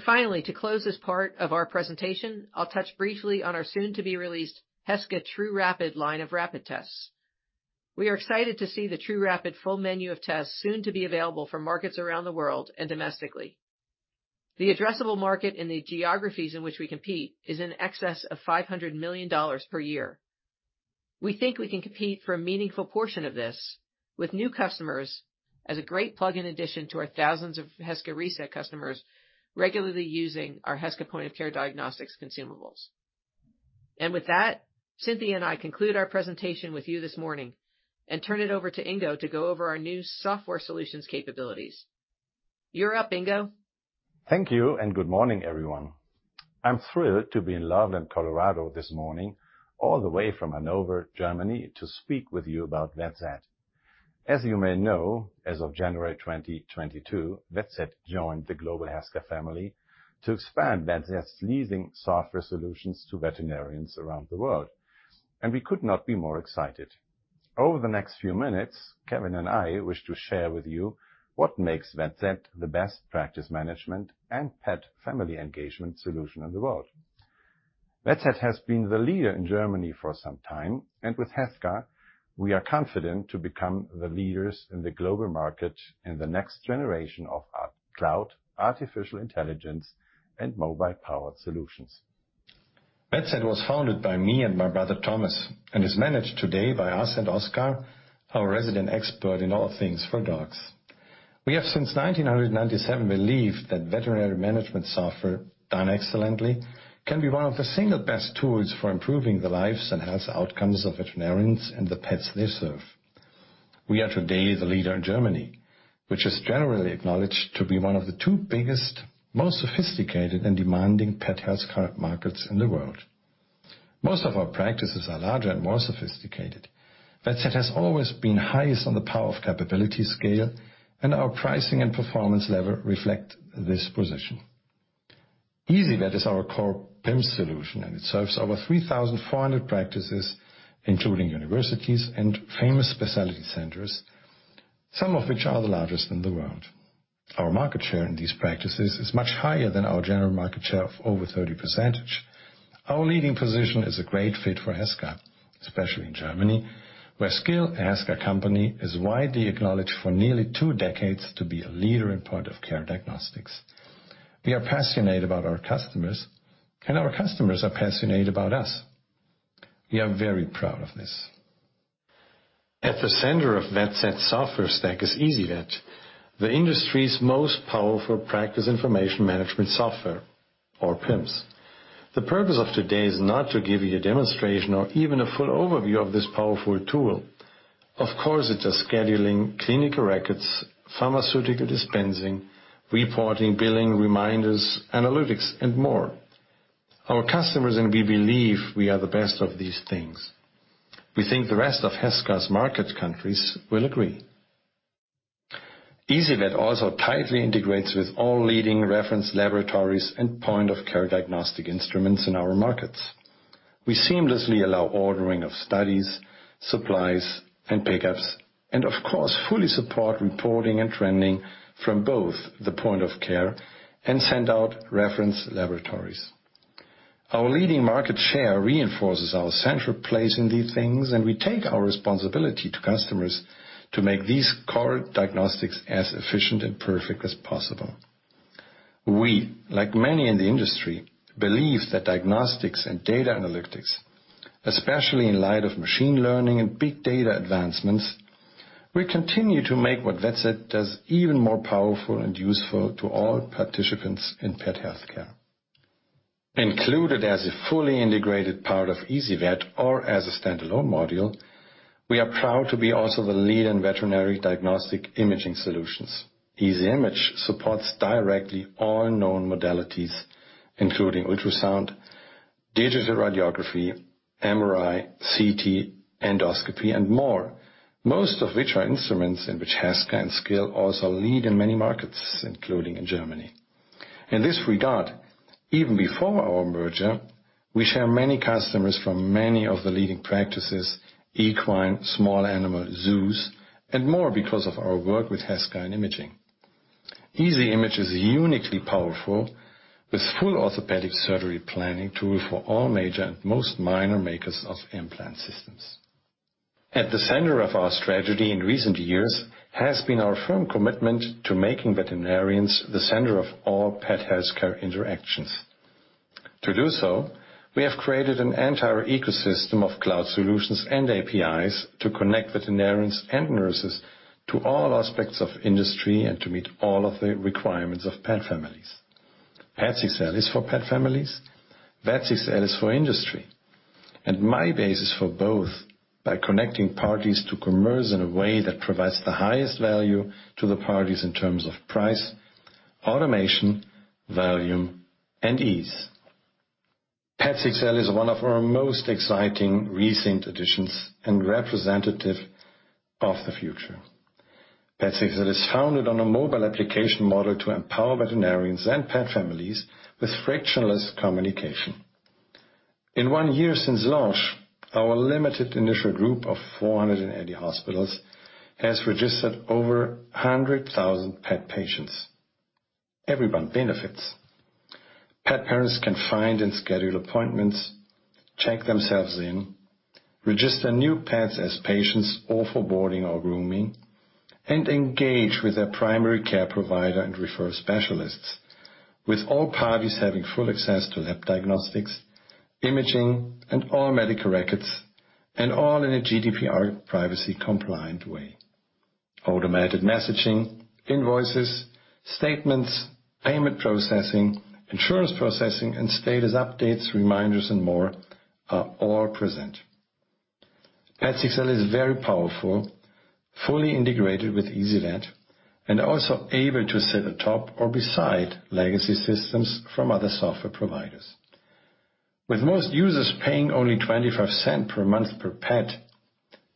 Finally, to close this part of our presentation, I'll touch briefly on our soon-to-be-released Heska trūRapid line of rapid tests. We are excited to see the trūRapid full menu of tests soon to be available for markets around the world and domestically. The addressable market in the geographies in which we compete is in excess of $500 million per year. We think we can compete for a meaningful portion of this with new customers as a great plug-in addition to our thousands of Heska Reset customers regularly using our Heska point-of-care diagnostics consumables. With that, Cynthia and I conclude our presentation with you this morning and turn it over to Ingo to go over our new software solutions capabilities. You're up, Ingo. Thank you, and good morning, everyone. I'm thrilled to be in Loveland, Colorado this morning, all the way from Hanover, Germany, to speak with you about VetZ. As you may know, as of January 2022, VetZ joined the global Heska family to expand VetZ's leading software solutions to veterinarians around the world. We could not be more excited. Over the next few minutes, Kevin and I wish to share with you what makes VetZ the best practice management and pet family engagement solution in the world. VetZ has been the leader in Germany for some time, and with Heska, we are confident to become the leaders in the global market in the next generation of cloud, artificial intelligence, and mobile power solutions. VetZ was founded by me and my brother, Thomas, and is managed today by us and Oscar, our resident expert in all things for dogs. We have since 1997 believed that veterinary management software, done excellently, can be one of the single best tools for improving the lives and health outcomes of veterinarians and the pets they serve. We are today the leader in Germany, which is generally acknowledged to be one of the two biggest, most sophisticated and demanding pet healthcare markets in the world. Most of our practices are larger and more sophisticated. VetZ has always been highest on the power of capability scale, and our pricing and performance level reflect this position. easyVET is our core PIMS solution, and it serves over 3,400 practices, including universities and famous specialty centers, some of which are the largest in the world. Our market share in these practices is much higher than our general market share of over 30%. Our leading position is a great fit for Heska, especially in Germany, where Scil, a Heska company, is widely acknowledged for nearly two decades to be a leader in point-of-care diagnostics. We are passionate about our customers, and our customers are passionate about us. We are very proud of this. At the center of VetZ software stack is easyVET, the industry's most powerful Practice Information Management Software or PIMS. The purpose of today is not to give you a demonstration or even a full overview of this powerful tool. Of course, it is scheduling, clinical records, pharmaceutical dispensing, reporting, billing, reminders, analytics, and more. Our customers and we believe we are the best of these things. We think the rest of Heska's market countries will agree. easyVET also tightly integrates with all leading reference laboratories and point-of-care diagnostic instruments in our markets. We seamlessly allow ordering of studies, supplies, and pickups, and of course, fully support reporting and trending from both the point-of-care and send out reference laboratories. Our leading market share reinforces our central place in these things, and we take our responsibility to customers to make these core diagnostics as efficient and perfect as possible. We, like many in the industry, believe that diagnostics and data analytics, especially in light of machine learning and big data advancements, will continue to make what VetZ does even more powerful and useful to all participants in pet healthcare. Included as a fully integrated part of easyVET or as a standalone module, we are proud to be also the lead in veterinary diagnostic imaging solutions. easyIMAGE supports directly all known modalities, including ultrasound, digital radiography, MRI, CT, endoscopy, and more, most of which are instruments in which Heska and Scil also lead in many markets, including in Germany. In this regard, even before our merger, we share many customers from many of the leading practices, equine, small animal zoos, and more because of our work with Heska and Imaging. easyIMAGE is uniquely powerful with full orthopedic surgery planning tool for all major and most minor makers of implant systems. At the center of our strategy in recent years has been our firm commitment to making veterinarians the center of all pet healthcare interactions. To do so, we have created an entire ecosystem of cloud solutions and APIs to connect veterinarians and nurses to all aspects of industry and to meet all of the requirements of pet families. Pets XL is for pet families, Vets XL is for industry, and myBase is for both by connecting parties to commerce in a way that provides the highest value to the parties in terms of price, automation, volume, and ease. Pets XL is one of our most exciting recent additions and representative of the future. Pets XL is founded on a mobile application model to empower veterinarians and pet families with frictionless communication. In one year since launch, our limited initial group of 480 hospitals has registered over 100,000 pet patients. Everyone benefits. Pet parents can find and schedule appointments, check themselves in, register new pets as patients or for boarding or grooming, and engage with their primary care provider and refer specialists, with all parties having full access to lab diagnostics, imaging and all medical records, and all in a GDPR privacy compliant way. Automatic messaging, invoices, statements, payment processing, insurance processing and status updates, reminders and more are all present. Pets XL is very powerful, fully integrated with easyVET and also able to sit atop or beside legacy systems from other software providers. With most users paying only $0.25 per month per pet,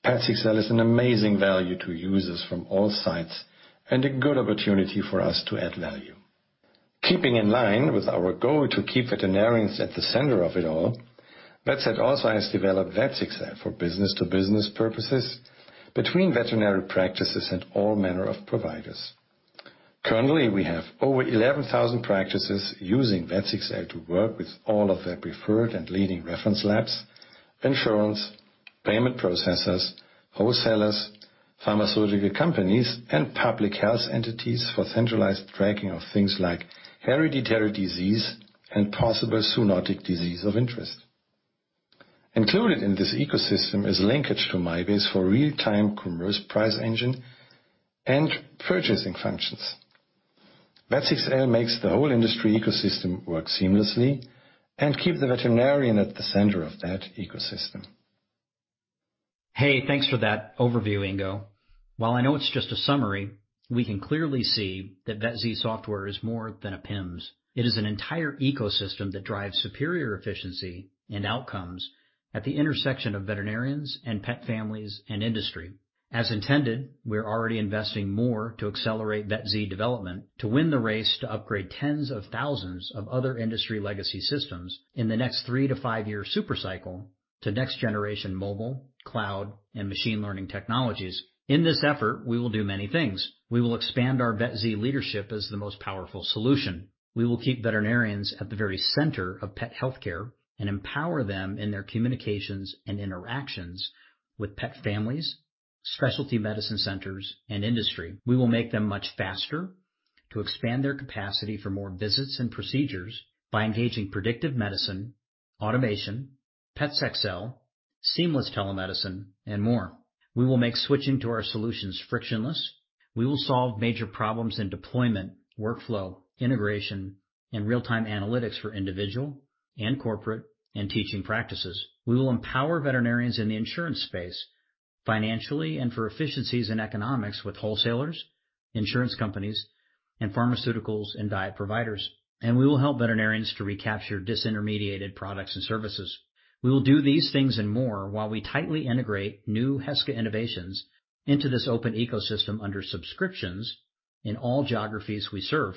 Pets XL is an amazing value to users from all sides and a good opportunity for us to add value. Keeping in line with our goal to keep veterinarians at the center of it all, Vets XL also has developed Vets XL for business-to-business purposes between veterinary practices and all manner of providers. Currently, we have over 11,000 practices using Vets XL to work with all of their preferred and leading reference labs, insurance, payment processors, wholesalers, pharmaceutical companies, and public health entities for centralized tracking of things like hereditary disease and possible zoonotic disease of interest. Included in this ecosystem is linkage to myBase for real-time commerce price engine and purchasing functions. Vets XL makes the whole industry ecosystem work seamlessly and keep the veterinarian at the center of that ecosystem. Hey, thanks for that overview, Ingo. While I know it's just a summary, we can clearly see that VetZ software is more than a PIMS. It is an entire ecosystem that drives superior efficiency and outcomes at the intersection of veterinarians and pet families and industry. As intended, we're already investing more to accelerate VetZ development to win the race to upgrade tens of thousands of other industry legacy systems in the next three-to-five-year super cycle to next-generation mobile, cloud, and machine learning technologies. In this effort, we will do many things. We will expand our VetZ leadership as the most powerful solution. We will keep veterinarians at the very center of pet healthcare and empower them in their communications and interactions with pet families, specialty medicine centers and industry. We will make them much faster to expand their capacity for more visits and procedures by engaging predictive medicine, automation, Pets XL, seamless telemedicine and more. We will make switching to our solutions frictionless. We will solve major problems in deployment, workflow, integration and real-time analytics for individual and corporate and teaching practices. We will empower veterinarians in the insurance space financially and for efficiencies in economics with wholesalers, insurance companies, and pharmaceuticals and diet providers. We will help veterinarians to recapture disintermediated products and services. We will do these things and more while we tightly integrate new Heska innovations into this open ecosystem under subscriptions in all geographies we serve.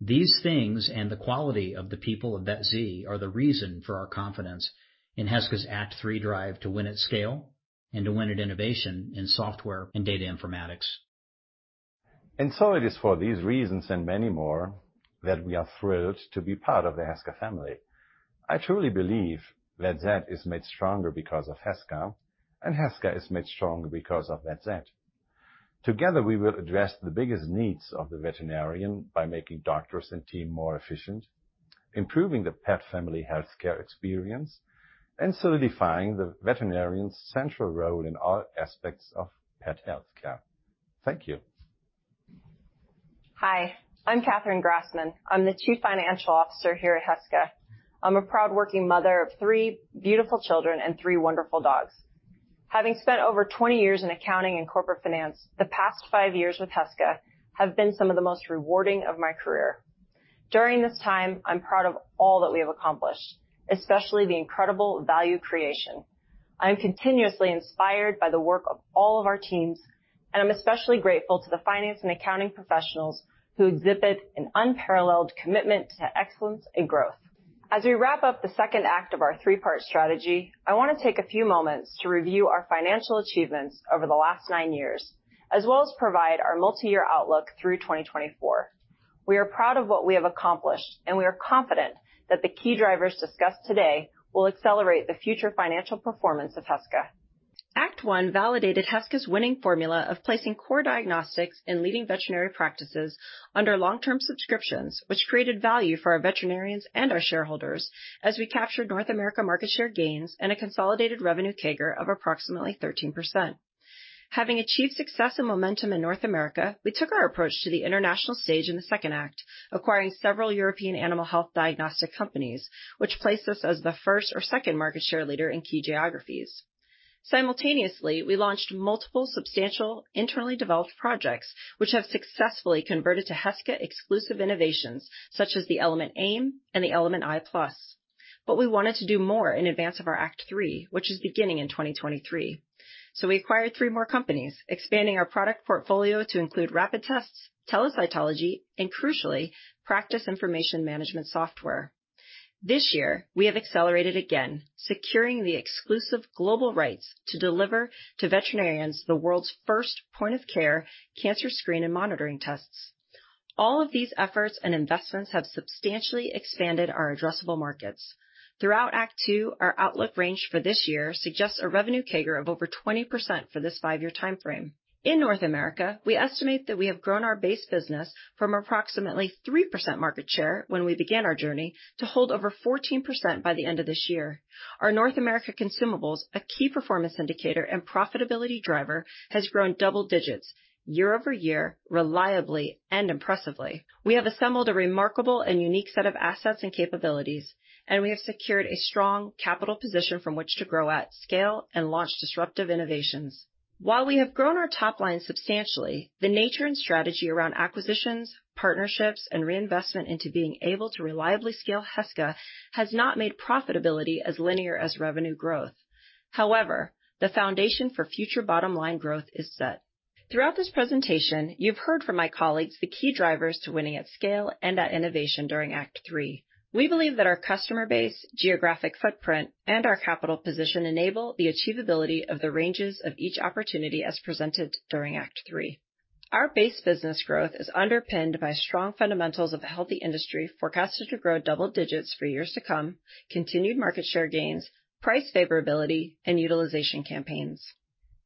These things and the quality of the people of VetZ are the reason for our confidence in Heska's Act Three drive to win at scale and to win at innovation in software and data informatics. It is for these reasons and many more that we are thrilled to be part of the Heska family. I truly believe VetZ is made stronger because of Heska, and Heska is made stronger because of VetZ. Together, we will address the biggest needs of the veterinarian by making doctors and team more efficient, improving the pet family healthcare experience, and solidifying the veterinarian's central role in all aspects of pet healthcare. Thank you. Hi, I'm Catherine Grassman. I'm the Chief Financial Officer here at Heska. I'm a proud working mother of three beautiful children and three wonderful dogs. Having spent over 20 years in accounting and corporate finance, the past five years with Heska have been some of the most rewarding of my career. During this time, I'm proud of all that we have accomplished, especially the incredible value creation. I am continuously inspired by the work of all of our teams, and I'm especially grateful to the finance and accounting professionals who exhibit an unparalleled commitment to excellence and growth. As we wrap up the second act of our three-part strategy, I wanna take a few moments to review our financial achievements over the last nine years, as well as provide our multi-year outlook through 2024. We are proud of what we have accomplished, and we are confident that the key drivers discussed today will accelerate the future financial performance of Heska. Act One validated Heska's winning formula of placing core diagnostics in leading veterinary practices under long-term subscriptions, which created value for our veterinarians and our shareholders as we captured North America market share gains and a consolidated revenue CAGR of approximately 13%. Having achieved success and momentum in North America, we took our approach to the international stage in the second act, acquiring several European animal health diagnostic companies, which placed us as the first or second market share leader in key geographies. Simultaneously, we launched multiple substantial internally developed projects which have successfully converted to Heska exclusive innovations such as the Element AIM and the Element i+. We wanted to do more in advance of our Act Three, which is beginning in 2023. We acquired three more companies, expanding our product portfolio to include rapid tests, telecytology, and crucially, Practice Information Management Software. This year, we have accelerated again, securing the exclusive global rights to deliver to veterinarians the world's first point-of-care cancer screen and monitoring tests. All of these efforts and investments have substantially expanded our addressable markets. Throughout Act Two, our outlook range for this year suggests a revenue CAGR of over 20% for this five-year timeframe. In North America, we estimate that we have grown our base business from approximately 3% market share when we began our journey to hold over 14% by the end of this year. Our North America consumables, a key performance indicator and profitability driver, has grown double digits year over year, reliably and impressively. We have assembled a remarkable and unique set of assets and capabilities, and we have secured a strong capital position from which to grow at scale and launch disruptive innovations. While we have grown our top line substantially, the nature and strategy around acquisitions, partnerships, and reinvestment into being able to reliably scale Heska has not made profitability as linear as revenue growth. However, the foundation for future bottom-line growth is set. Throughout this presentation, you've heard from my colleagues the key drivers to winning at scale and at innovation during Act Three. We believe that our customer base, geographic footprint, and our capital position enable the achievability of the ranges of each opportunity as presented during Act Three. Our base business growth is underpinned by strong fundamentals of a healthy industry forecasted to grow double digits for years to come, continued market share gains, price favorability, and utilization campaigns.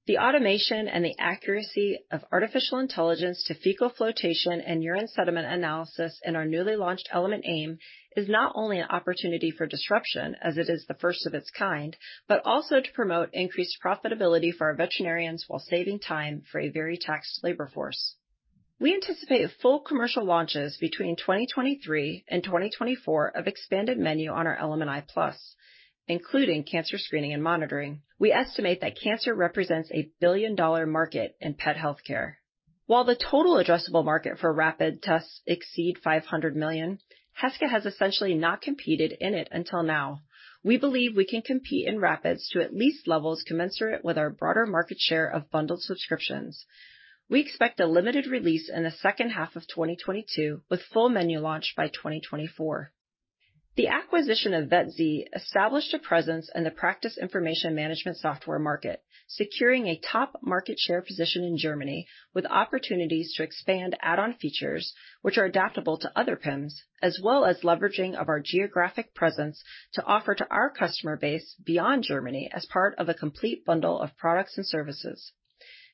The automation and the accuracy of artificial intelligence to fecal flotation and urine sediment analysis in our newly launched Element AIM is not only an opportunity for disruption as it is the first of its kind, but also to promote increased profitability for our veterinarians while saving time for a very taxed labor force. We anticipate full commercial launches between 2023 and 2024 of expanded menu on our Element i+, including cancer screening and monitoring. We estimate that cancer represents a $1 billion market in pet healthcare. While the total addressable market for rapid tests exceed $500 million, Heska has essentially not competed in it until now. We believe we can compete in rapids to at least levels commensurate with our broader market share of bundled subscriptions. We expect a limited release in the second half of 2022 with full menu launch by 2024. The acquisition of VetZ established a presence in the Practice Information Management Software market, securing a top market share position in Germany with opportunities to expand add-on features which are adaptable to other PIMs, as well as leveraging of our geographic presence to offer to our customer base beyond Germany as part of a complete bundle of products and services.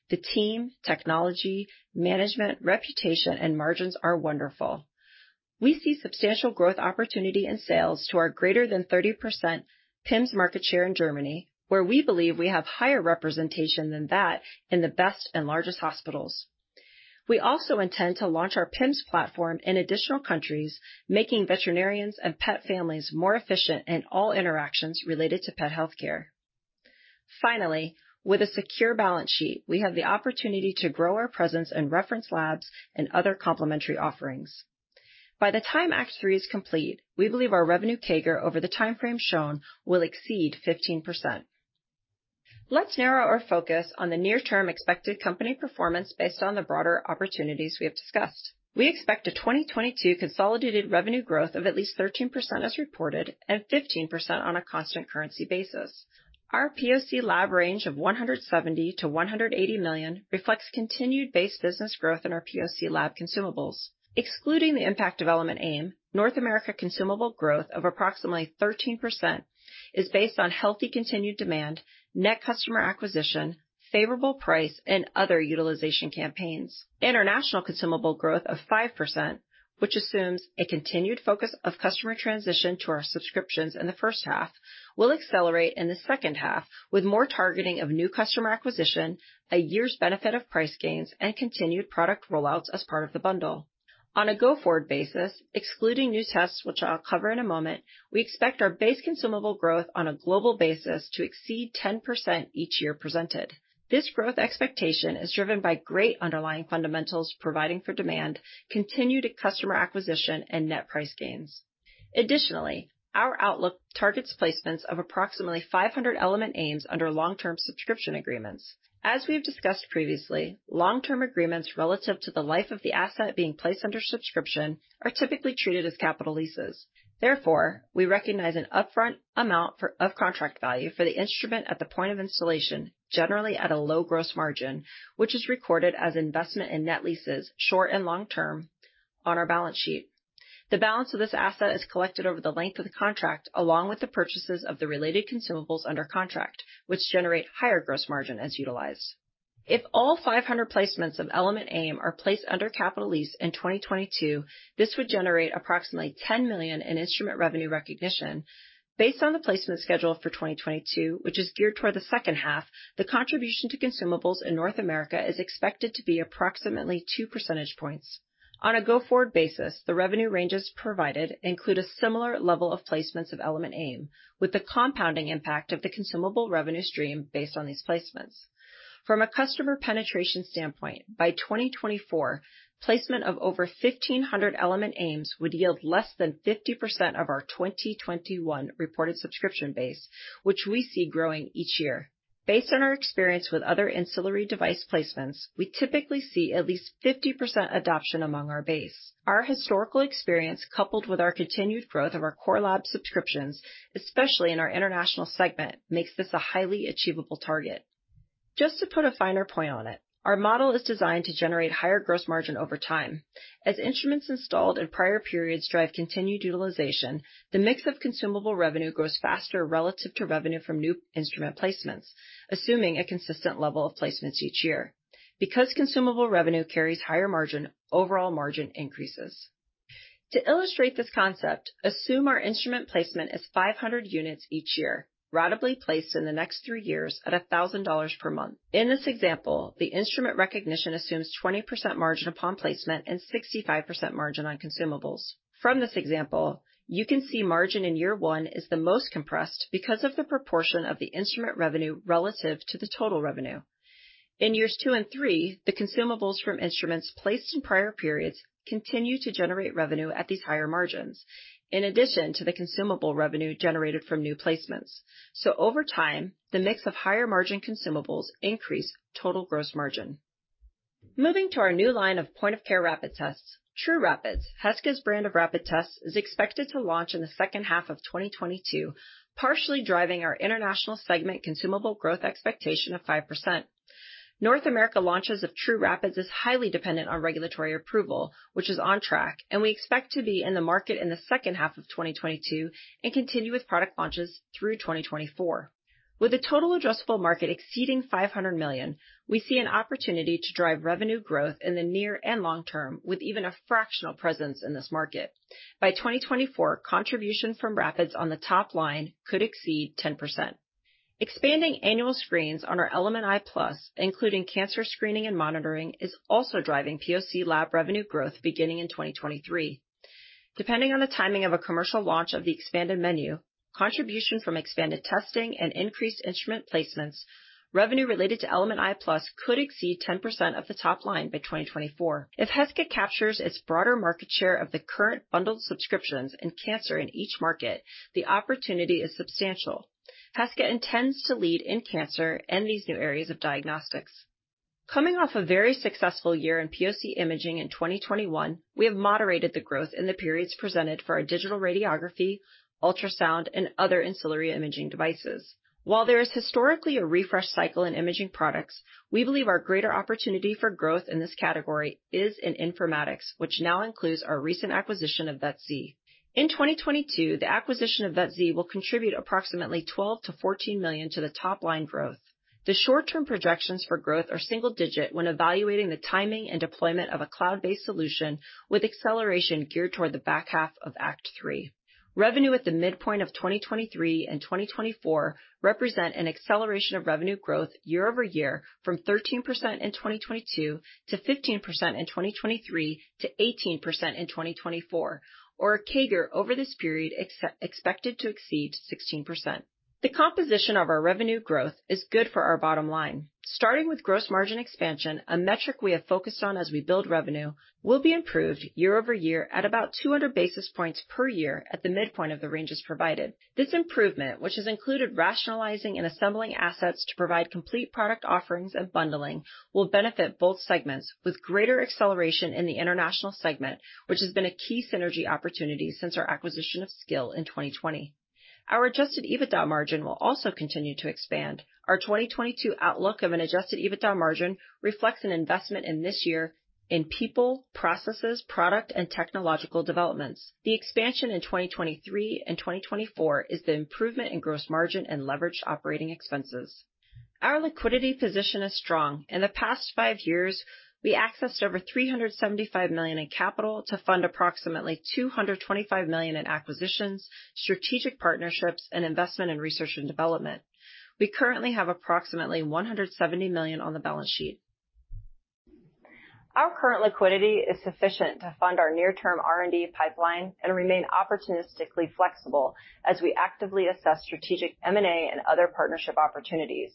The team, technology, management, reputation, and margins are wonderful. We see substantial growth opportunity and sales to our greater than 30% PIMs market share in Germany, where we believe we have higher representation than that in the best and largest hospitals. We also intend to launch our PIMs platform in additional countries, making veterinarians and pet families more efficient in all interactions related to pet healthcare. Finally, with a secure balance sheet, we have the opportunity to grow our presence in reference labs and other complementary offerings. By the time Act Three is complete, we believe our revenue CAGR over the timeframe shown will exceed 15%. Let's narrow our focus on the near-term expected company performance based on the broader opportunities we have discussed. We expect a 2022 consolidated revenue growth of at least 13% as reported and 15% on a constant currency basis. Our POC lab range of $170 million-$180 million reflects continued base business growth in our POC lab consumables. Excluding the impact of Element AIM, North America consumable growth of approximately 13% is based on healthy continued demand, net customer acquisition, favorable price, and other utilization campaigns. International consumable growth of 5%, which assumes a continued focus of customer transition to our subscriptions in the first half, will accelerate in the second half with more targeting of new customer acquisition, a year's benefit of price gains, and continued product rollouts as part of the bundle. On a go-forward basis, excluding new tests which I'll cover in a moment, we expect our base consumable growth on a global basis to exceed 10% each year presented. This growth expectation is driven by great underlying fundamentals providing for demand, continued customer acquisition, and net price gains. Additionally, our outlook targets placements of approximately 500 Element AIM under long-term subscription agreements. As we've discussed previously, long-term agreements relative to the life of the asset being placed under subscription are typically treated as capital leases. Therefore, we recognize an upfront amount for... of contract value for the instrument at the point of installation, generally at a low gross margin, which is recorded as investment in net leases, short and long-term on our balance sheet. The balance of this asset is collected over the length of the contract, along with the purchases of the related consumables under contract, which generate higher gross margin as utilized. If all 500 placements of Element AIM are placed under capital lease in 2022, this would generate approximately $10 million in instrument revenue recognition. Based on the placement schedule for 2022, which is geared toward the second half, the contribution to consumables in North America is expected to be approximately 2 percentage points. On a go-forward basis, the revenue ranges provided include a similar level of placements of Element AIM, with the compounding impact of the consumable revenue stream based on these placements. From a customer penetration standpoint, by 2024, placement of over 1,500 Element AIM would yield less than 50% of our 2021 reported subscription base, which we see growing each year. Based on our experience with other ancillary device placements, we typically see at least 50% adoption among our base. Our historical experience, coupled with our continued growth of our Core Lab subscriptions, especially in our international segment, makes this a highly achievable target. Just to put a finer point on it, our model is designed to generate higher gross margin over time. As instruments installed in prior periods drive continued utilization, the mix of consumable revenue grows faster relative to revenue from new instrument placements, assuming a consistent level of placements each year. Because consumable revenue carries higher margin, overall margin increases. To illustrate this concept, assume our instrument placement is 500 units each year, ratably placed in the next three years at $1,000 per month. In this example, the instrument recognition assumes 20% margin upon placement and 65% margin on consumables. From this example, you can see margin in year one is the most compressed because of the proportion of the instrument revenue relative to the total revenue. In years two and three, the consumables from instruments placed in prior periods continue to generate revenue at these higher margins, in addition to the consumable revenue generated from new placements. Over time, the mix of higher margin consumables increase total gross margin. Moving to our new line of point-of-care rapid tests, trūRapid, Heska's brand of rapid tests, is expected to launch in the second half of 2022, partially driving our international segment consumable growth expectation of 5%. North America launches of trūRapid is highly dependent on regulatory approval, which is on track, and we expect to be in the market in the second half of 2022 and continue with product launches through 2024. With a total addressable market exceeding $500 million, we see an opportunity to drive revenue growth in the near and long term with even a fractional presence in this market. By 2024, contribution from Rapids on the top line could exceed 10%. Expanding annual screens on our Element i+, including cancer screening and monitoring, is also driving POC lab revenue growth beginning in 2023. Depending on the timing of a commercial launch of the expanded menu, contribution from expanded testing and increased instrument placements, revenue related to Element i+ could exceed 10% of the top line by 2024. If Heska captures its broader market share of the current bundled subscriptions in cancer in each market, the opportunity is substantial. Heska intends to lead in cancer and these new areas of diagnostics. Coming off a very successful year in POC imaging in 2021, we have moderated the growth in the periods presented for our digital radiography, ultrasound, and other ancillary imaging devices. While there is historically a refresh cycle in imaging products, we believe our greater opportunity for growth in this category is in informatics, which now includes our recent acquisition of VetZ. In 2022, the acquisition of VetZ will contribute approximately $12 million-$14 million to the top line growth. The short-term projections for growth are single-digit when evaluating the timing and deployment of a cloud-based solution with acceleration geared toward the back half of Act Three. Revenue at the midpoint of 2023 and 2024 represent an acceleration of revenue growth year-over-year from 13% in 2022 to 15% in 2023 to 18% in 2024, or a CAGR over this period expected to exceed 16%. The composition of our revenue growth is good for our bottom line. Starting with gross margin expansion, a metric we have focused on as we build revenue will be improved year-over-year at about 200 basis points per year at the midpoint of the ranges provided. This improvement, which has included rationalizing and assembling assets to provide complete product offerings and bundling, will benefit both segments with greater acceleration in the international segment, which has been a key synergy opportunity since our acquisition of Scil in 2020. Our adjusted EBITDA margin will also continue to expand. Our 2022 outlook of an adjusted EBITDA margin reflects an investment in this year in people, processes, product, and technological developments. The expansion in 2023 and 2024 is the improvement in gross margin and leverage operating expenses. Our liquidity position is strong. In the past five years, we accessed over $375 million in capital to fund approximately $225 million in acquisitions, strategic partnerships, and investment in research and development. We currently have approximately $170 million on the balance sheet. Our current liquidity is sufficient to fund our near-term R&D pipeline and remain opportunistically flexible as we actively assess strategic M&A and other partnership opportunities.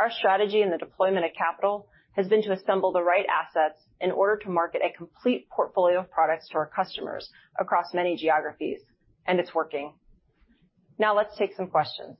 Our strategy in the deployment of capital has been to assemble the right assets in order to market a complete portfolio of products to our customers across many geographies, and it's working. Now let's take some questions.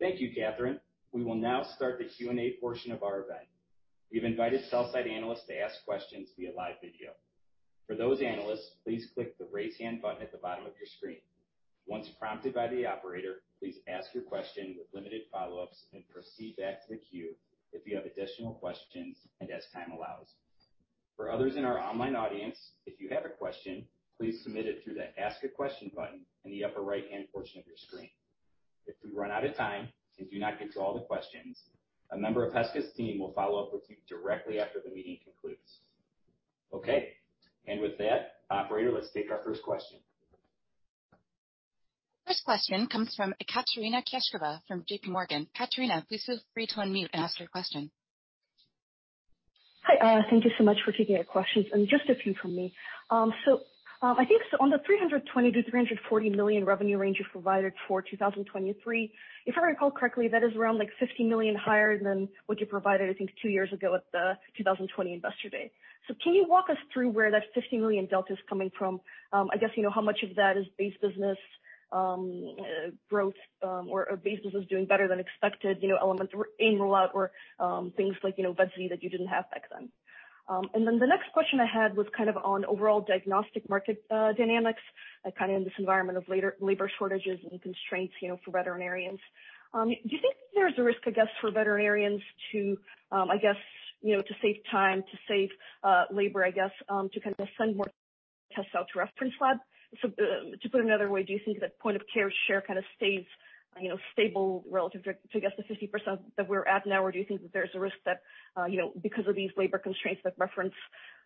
Thank you, Catherine. We will now start the Q&A portion of our event. We've invited sell-side analysts to ask questions via live video. For those analysts, please click the Raise Hand button at the bottom of your screen. Once prompted by the operator, please ask your question with limited follow-ups and proceed back to the queue if you have additional questions and as time allows. For others in our online audience, if you have a question, please submit it through the Ask a Question button in the upper right-hand portion of your screen. If we run out of time and do not get to all the questions, a member of Heska's team will follow up with you directly after the meeting concludes. Okay. With that, operator, let's take our first question. First question comes from Ekaterina Knyazkova from JPMorgan. Ekaterina, please feel free to unmute and ask your question. Hi, thank you so much for taking the questions, and just a few from me. I think, so on the $320 million-$340 million revenue range you provided for 2023, if I recall correctly, that is around, like, $50 million higher than what you provided, I think, two years ago at the 2020 Investor Day. Can you walk us through where that $50 million delta is coming from? I guess, you know, how much of that is base business, growth, or base business doing better than expected, you know, elements or AIM rollout or, things like, you know, VetZ that you didn't have back then. The next question I had was kind of on overall diagnostic market dynamics, like, kind of in this environment of labor shortages and constraints, you know, for veterinarians. Do you think there's a risk, I guess, for veterinarians to, I guess, you know, to save time, to save labor, I guess, to kinda send more tests out to reference lab? To put another way, do you think that point-of-care share kinda stays, you know, stable relative to, I guess, the 50% that we're at now? Or do you think that there's a risk that, you know, because of these labor constraints that reference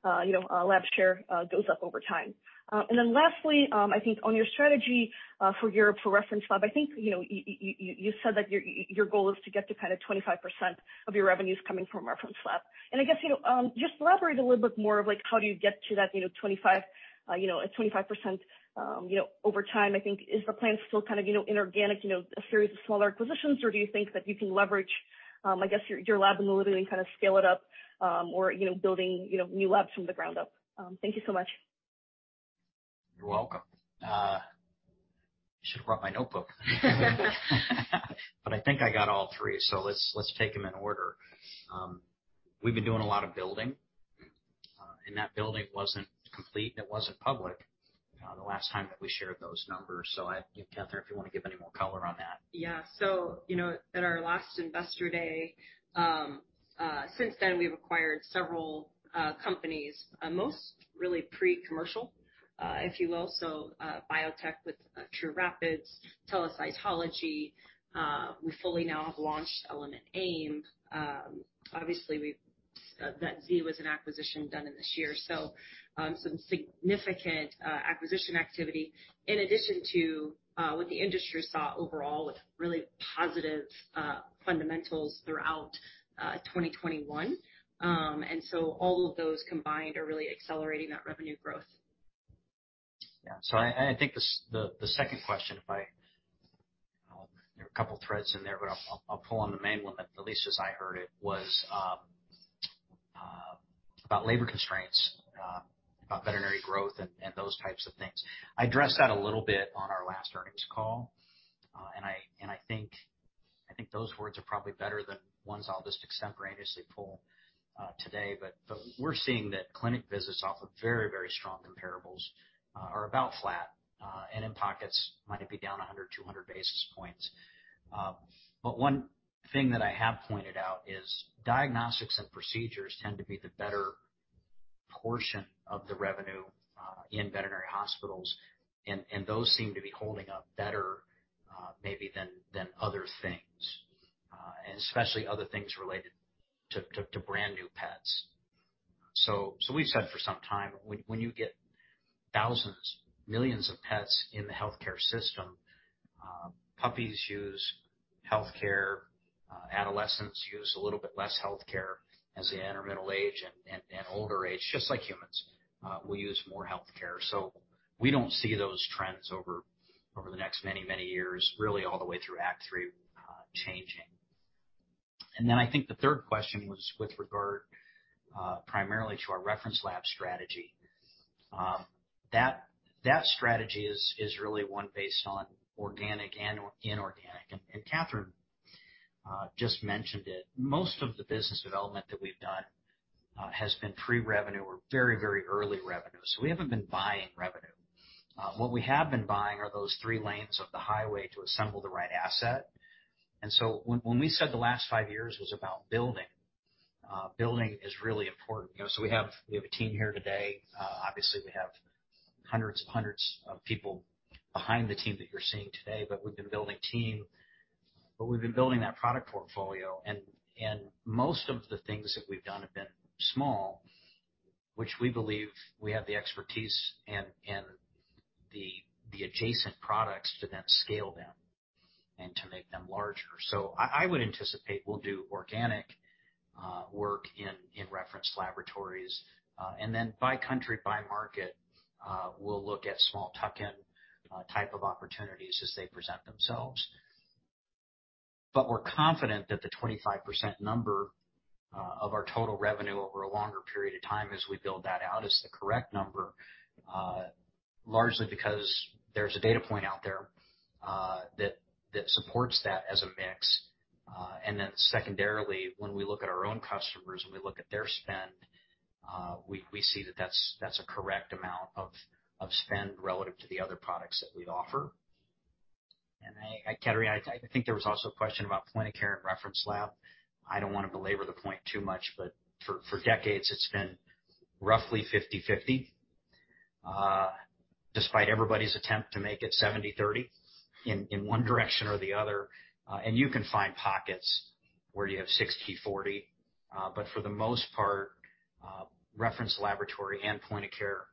lab share goes up over time? I think on your strategy for reference lab, I think, you know, you said that your goal is to get to kinda 25% of your revenues coming from reference lab. I guess, you know, just elaborate a little bit more of, like, how do you get to that 25% over time, I think. Is the plan still kind of, you know, inorganic, you know, a series of smaller acquisitions? Or do you think that you can leverage, I guess, your lab in Louisiana and kinda scale it up, or building new labs from the ground up? Thank you so much. You're welcome. I should have brought my notebook. I think I got all three, so let's take them in order. We've been doing a lot of building, and that building wasn't complete and it wasn't public, the last time that we shared those numbers. Catherine, if you wanna give any more color on that. Yeah. You know, at our last Investor Day, since then we've acquired several companies, most really pre-commercial, if you will. Biotech with trūRapid, Telecytology. We fully now have launched Element AIM. Obviously, VetZ was an acquisition done in this year. Some significant acquisition activity in addition to what the industry saw overall with really positive fundamentals throughout 2021. All of those combined are really accelerating that revenue growth. I think the second question. There are a couple threads in there, but I'll pull on the main one that, at least as I heard it, was about labor constraints, about veterinary growth and those types of things. I addressed that a little bit on our last earnings call, and I think those words are probably better than ones I'll just extemporaneously pull today. We're seeing that clinic visits off of very, very strong comparables are about flat, and in pockets might be down 100-200 basis points. One thing that I have pointed out is diagnostics and procedures tend to be the better portion of the revenue in veterinary hospitals, and those seem to be holding up better, maybe than other things, and especially other things related to brand-new pets. We've said for some time, when you get thousands, millions of pets in the healthcare system, puppies use healthcare, adolescents use a little bit less healthcare as they enter middle age and older age, just like humans, we use more healthcare. We don't see those trends over the next many years, really all the way through Act Three, changing. I think the third question was with regard, primarily to our reference lab strategy. That strategy is really one based on organic and inorganic. Catherine just mentioned it. Most of the business development that we've done has been pre-revenue or very early revenue, so we haven't been buying revenue. What we have been buying are those three lanes of the highway to assemble the right asset. When we said the last five years was about building is really important. You know, we have a team here today. Obviously we have hundreds of people behind the team that you're seeing today, but we've been building team. We've been building that product portfolio and most of the things that we've done have been small, which we believe we have the expertise and the adjacent products to then scale them and to make them larger. I would anticipate we'll do organic work in reference laboratories. By country, by market, we'll look at small tuck-in type of opportunities as they present themselves. We're confident that the 25% number of our total revenue over a longer period of time as we build that out is the correct number, largely because there's a data point out there that supports that as a mix. Secondarily, when we look at our own customers and we look at their spend, we see that that's a correct amount of spend relative to the other products that we offer. Catherine, I think there was also a question about point-of-care and reference lab. I don't wanna belabor the point too much, but for decades it's been roughly 50/50, despite everybody's attempt to make it 70/30 in one direction or the other. You can find pockets where you have 60/40. For the most part, reference laboratory and point-of-care,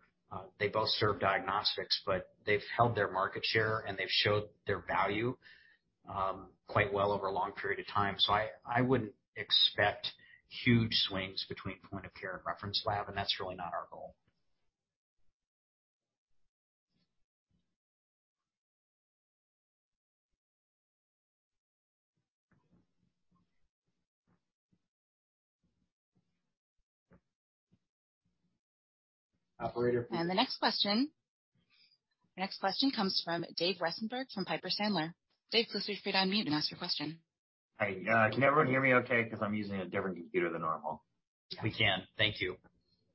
they both serve diagnostics, but they've held their market share, and they've showed their value quite well over a long period of time. I wouldn't expect huge swings between point-of-care and reference lab, and that's really not our goal. Operator. The next question. The next question comes from Dave Westenberg from Piper Sandler. Dave, please feel free to unmute and ask your question. Hi. Can everyone hear me okay? 'Cause I'm using a different computer than normal. We can. Thank you.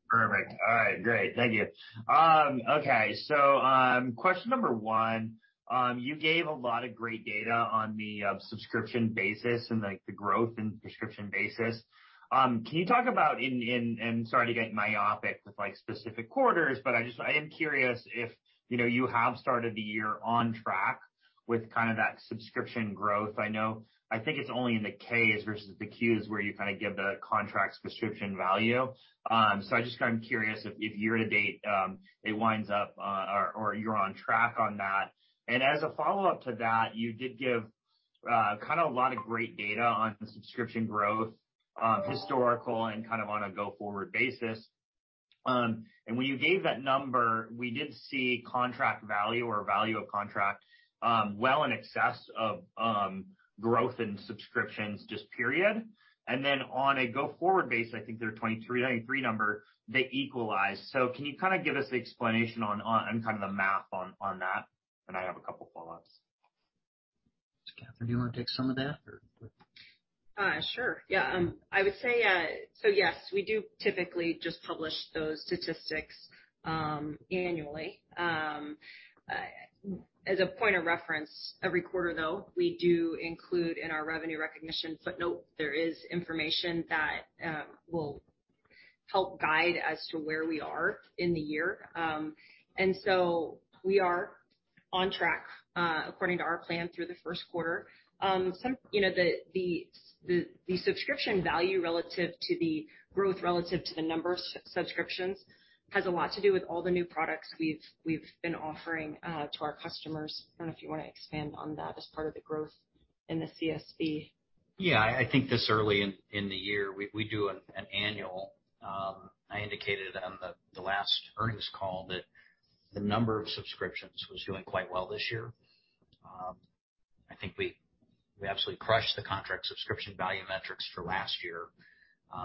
Perfect. All right. Great. Thank you. Okay. Question number one, you gave a lot of great data on the subscription basis and, like, the growth in subscription basis. Can you talk about, and sorry to get myopic with, like, specific quarters, but I am curious if, you know, you have started the year on track with kinda that subscription growth. I know I think it's only in the K's versus the Q's where you kinda give the contract subscription value. So I just got curious if year to date it winds up, or you're on track on that. As a follow-up to that, you did give kinda a lot of great data on subscription growth, historical and kind of on a go-forward basis. When you gave that number, we did see contract value or value of contract, well in excess of growth in subscriptions just. Period. Then on a go-forward basis, I think their 23.3 number, they equalize. Can you kinda give us the explanation on kind of the math on that? I have a couple follow-ups. Catherine, do you wanna take some of that or? Sure. Yeah. I would say, yes, we do typically just publish those statistics annually. As a point of reference, every quarter, though, we do include in our revenue recognition footnote. There is information that will help guide as to where we are in the year. We are on track according to our plan through the first quarter. You know, the subscription value relative to the growth relative to the number of subscriptions has a lot to do with all the new products we've been offering to our customers. I don't know if you wanna expand on that as part of the growth in the CSV. Yeah. I think this early in the year, we do an annual. I indicated on the last earnings call that the number of subscriptions was doing quite well this year. I think we absolutely crushed the contract subscription value metrics for last year.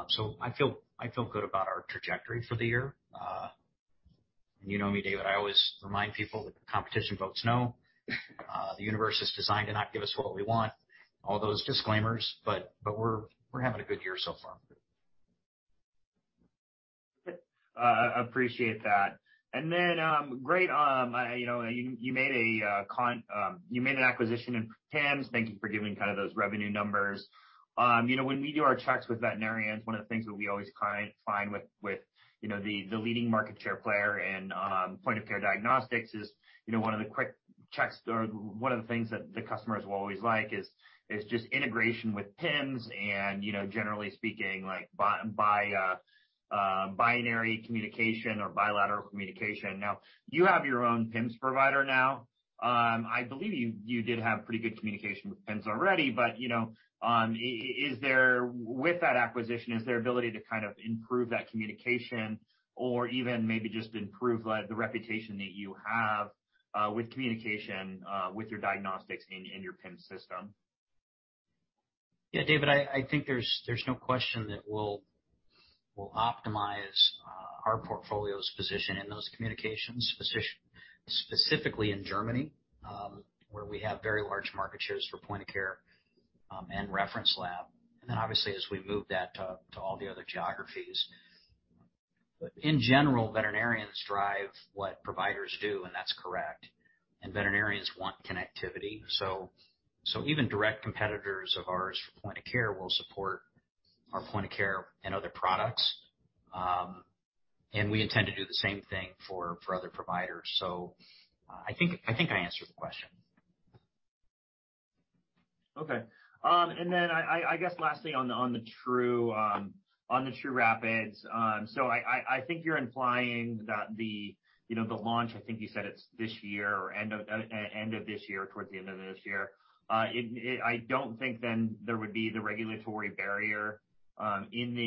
So I feel good about our trajectory for the year. You know me, David. I always remind people that the competition folks know the universe is designed to not give us what we want, all those disclaimers, but we're having a good year so far. Appreciate that. Great, you know you made an acquisition in PIMS. Thank you for giving kinda those revenue numbers. You know, when we do our checks with veterinarians, one of the things that we always kinda find with you know the leading market share player in point-of-care diagnostics is you know one of the quick checks or one of the things that the customers will always like is just integration with PIMS and you know generally speaking like bilateral communication. Now you have your own PIMS provider. I believe you did have pretty good communication with PIMS already, but you know, with that acquisition, is there ability to kind of improve that communication or even maybe just improve, like, the reputation that you have with communication with your diagnostics in your PIMS system? Yeah, David, I think there's no question that we'll optimize our portfolio's position in those communications, specifically in Germany, where we have very large market shares for point-of-care and reference lab, and then obviously as we move that to all the other geographies. In general, veterinarians drive what providers do, and that's correct. Veterinarians want connectivity. Even direct competitors of ours for point-of-care will support our point-of-care and other products. We intend to do the same thing for other providers. I think I answered the question. Okay. I guess lastly on the trūRapid, so I think you're implying that the, you know, the launch, I think you said it's this year or end of this year, towards the end of this year. I don't think then there would be the regulatory barrier in the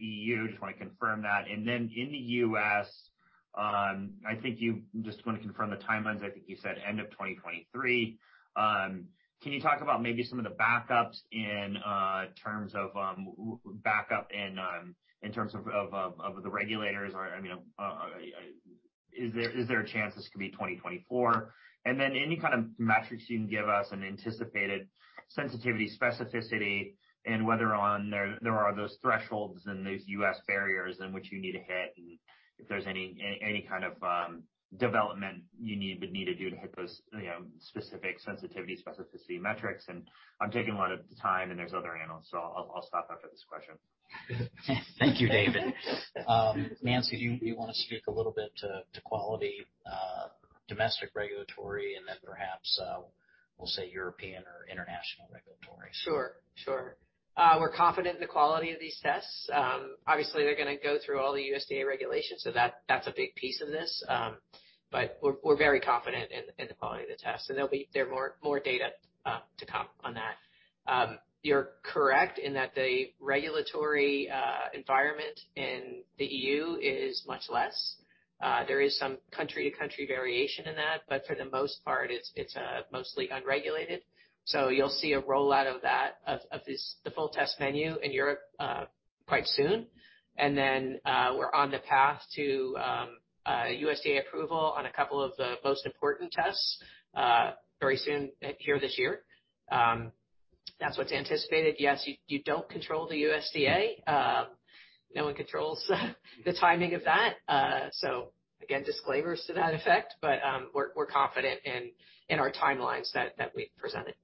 EU. Just want to confirm that. In the US, I think you just want to confirm the timelines. I think you said end of 2023. Can you talk about maybe some of the backups in terms of backup and in terms of the regulators or I mean, is there a chance this could be 2024? Then any kind of metrics you can give us on anticipated sensitivity, specificity and whether or not there are those thresholds and those U.S. barriers in which you need to hit, and if there's any kind of development you need to do to hit those, you know, specific sensitivity, specificity metrics. I'm taking a lot of the time, and there's other analysts, so I'll stop after this question. Thank you, David. Nancy, do you want to speak a little bit to quality, domestic regulatory and then perhaps, we'll say European or international regulatory? Sure, sure. We're confident in the quality of these tests. Obviously they're gonna go through all the USDA regulations, so that's a big piece of this. But we're very confident in the quality of the test. There are more data to come on that. You're correct in that the regulatory environment in the EU is much less. There is some country to country variation in that, but for the most part, it's mostly unregulated. You'll see a rollout of that, of this, the full test menu in Europe quite soon. Then, we're on the path to USDA approval on a couple of the most important tests very soon here this year. That's what's anticipated. Yes, you don't control the USDA. No one controls the timing of that. Again, disclaimers to that effect, but we're confident in our timelines that we presented.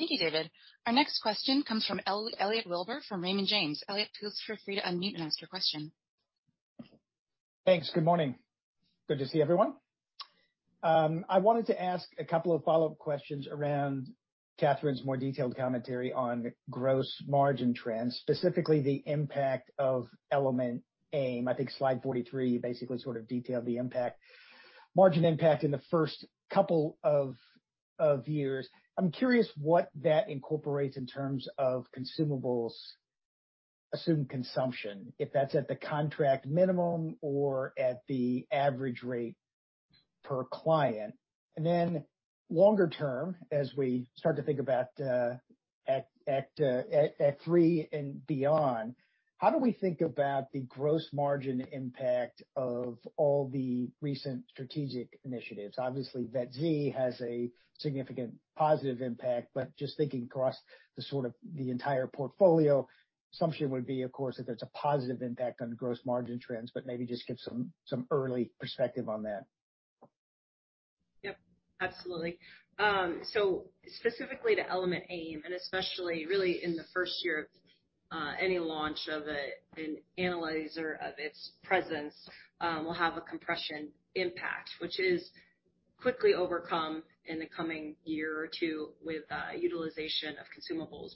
Thank you, David. Our next question comes from Elliot Wilbur from Raymond James. Elliot, please feel free to unmute and ask your question. Thanks. Good morning. Good to see everyone. I wanted to ask a couple of follow-up questions around Catherine's more detailed commentary on gross margin trends, specifically the impact of Element AIM. I think slide 43 basically sort of detailed the impact, margin impact in the first couple of years. I'm curious what that incorporates in terms of consumables assumed consumption, if that's at the contract minimum or at the average rate per client. Then longer term, as we start to think about Act Three and beyond, how do we think about the gross margin impact of all the recent strategic initiatives? Obviously, VetZ has a significant positive impact, but just thinking across the sort of the entire portfolio, assumption would be, of course, that there's a positive impact on gross margin trends, but maybe just give some early perspective on that. Yep, absolutely. Specifically to Element AIM, and especially really in the first year of any launch of an analyzer of its presence, will have a compression impact, which is quickly overcome in the coming year or two with utilization of consumables.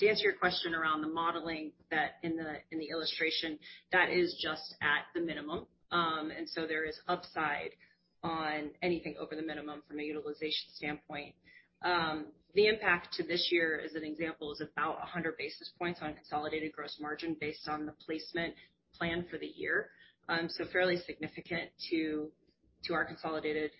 To answer your question around the modeling that in the illustration, that is just at the minimum, and so there is upside on anything over the minimum from a utilization standpoint. The impact to this year, as an example, is about 100 basis points on consolidated gross margin based on the placement plan for the year. Fairly significant to our consolidated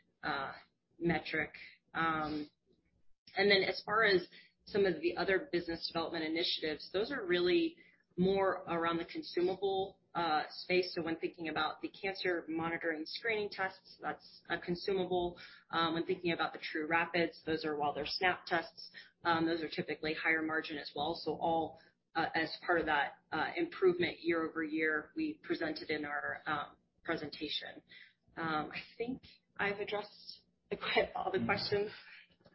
metric. As far as some of the other business development initiatives, those are really more around the consumable space. When thinking about the cancer monitoring screening tests, that's a consumable. When thinking about the trūRapid, those are, while they're snap tests, those are typically higher margin as well. All as part of that improvement year-over-year, we presented in our presentation. I think I've addressed all the questions.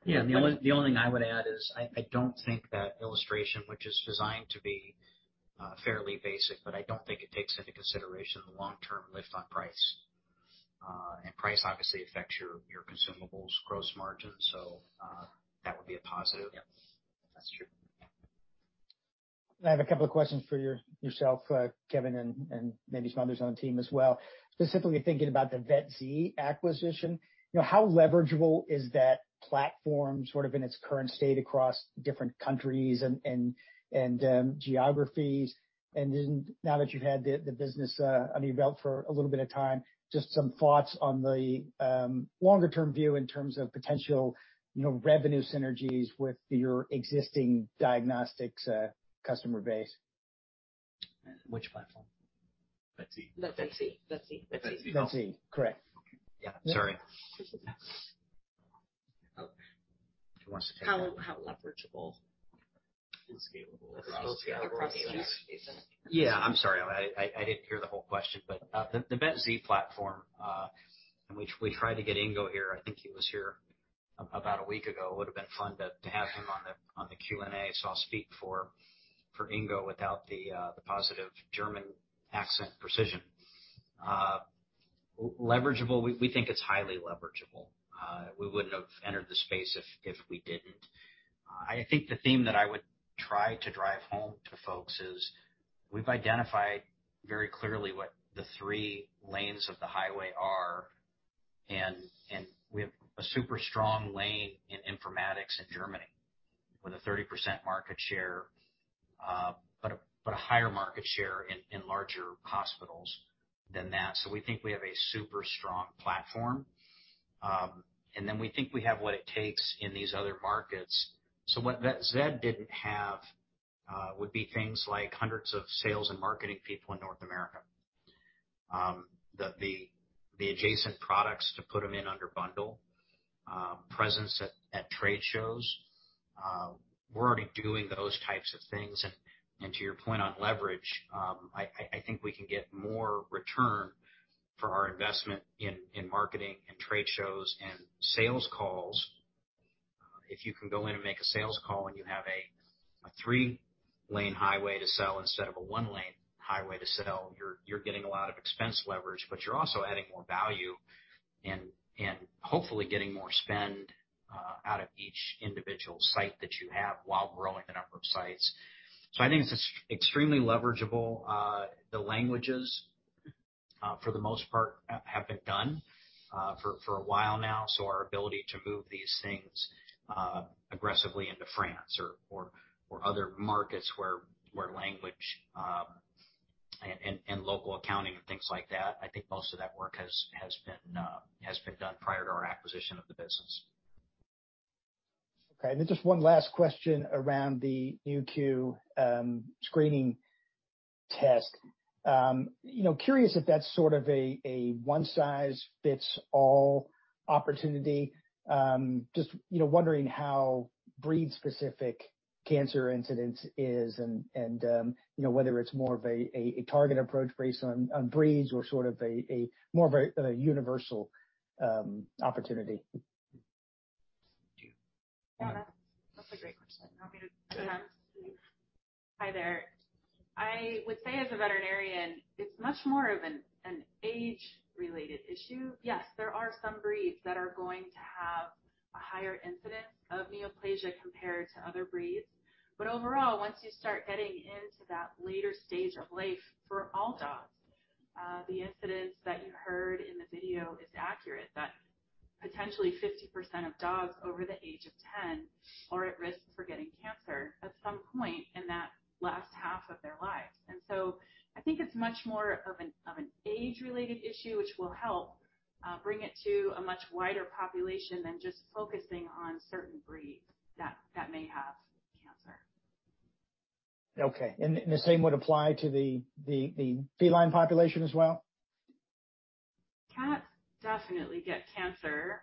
Yeah. The only thing I would add is I don't think that illustration, which is designed to be fairly basic, but I don't think it takes into consideration the long-term lift on price. Price obviously affects your consumables gross margin. That would be a positive. Yeah. That's true. I have a couple of questions for yourself, Kevin, and maybe some others on the team as well. Specifically thinking about the VetZ acquisition. You know, how leverageable is that platform sort of in its current state across different countries and geographies? Then now that you've had the business under your belt for a little bit of time, just some thoughts on the longer term view in terms of potential, you know, revenue synergies with your existing diagnostics customer base. Which platform? VetZ. VetZ. VetZ. VetZ. Correct. Yeah. Sorry. How leverageable? Scalable. Yeah, I'm sorry. I didn't hear the whole question, but the VetZ platform, and we tried to get Ingo here. I think he was here about a week ago. It would have been fun to have him on the Q&A, so I'll speak for Ingo without the positive German accent precision. Leverageable, we think it's highly leverageable. We wouldn't have entered the space if we didn't. I think the theme that I would try to drive home to folks is we've identified very clearly what the three lanes of the highway are. We have a super strong lane in informatics in Germany with a 30% market share, but a higher market share in larger hospitals than that. We think we have a super strong platform. We think we have what it takes in these other markets. What VetZ didn't have would be things like hundreds of sales and marketing people in North America. The adjacent products to put them in a bundle, presence at trade shows. We're already doing those types of things and to your point on leverage, I think we can get more return for our investment in marketing and trade shows and sales calls. If you can go in and make a sales call, and you have a three-lane highway to sell instead of a one-lane highway to sell, you're getting a lot of expense leverage, but you're also adding more value and hopefully getting more spend out of each individual site that you have while growing the number of sites. I think it's extremely leverageable. The languages, for the most part, have been done for a while now. Our ability to move these things aggressively into France or other markets where language and local accounting and things like that, I think most of that work has been done prior to our acquisition of the business. Okay. Just one last question around the Nu.Q Screening Test. You know, curious if that's sort of a one-size-fits-all opportunity. Just, you know, wondering how breed-specific cancer incidence is and you know, whether it's more of a target approach based on breeds or sort of a more of a universal opportunity. Yeah. That's a great question. Go ahead. Hi there. I would say as a veterinarian, it's much more of an age-related issue. Yes, there are some breeds that are going to have a higher incidence of neoplasia compared to other breeds. But overall, once you start getting into that later stage of life for all dogs, the incidence that you heard in the video is accurate, that potentially 50% of dogs over the age of 10 are at risk for getting cancer at some point in that last half of their lives. I think it's much more of an age-related issue which will help bring it to a much wider population than just focusing on certain breeds that may have cancer. Okay. The same would apply to the feline population as well? Cats definitely get cancer.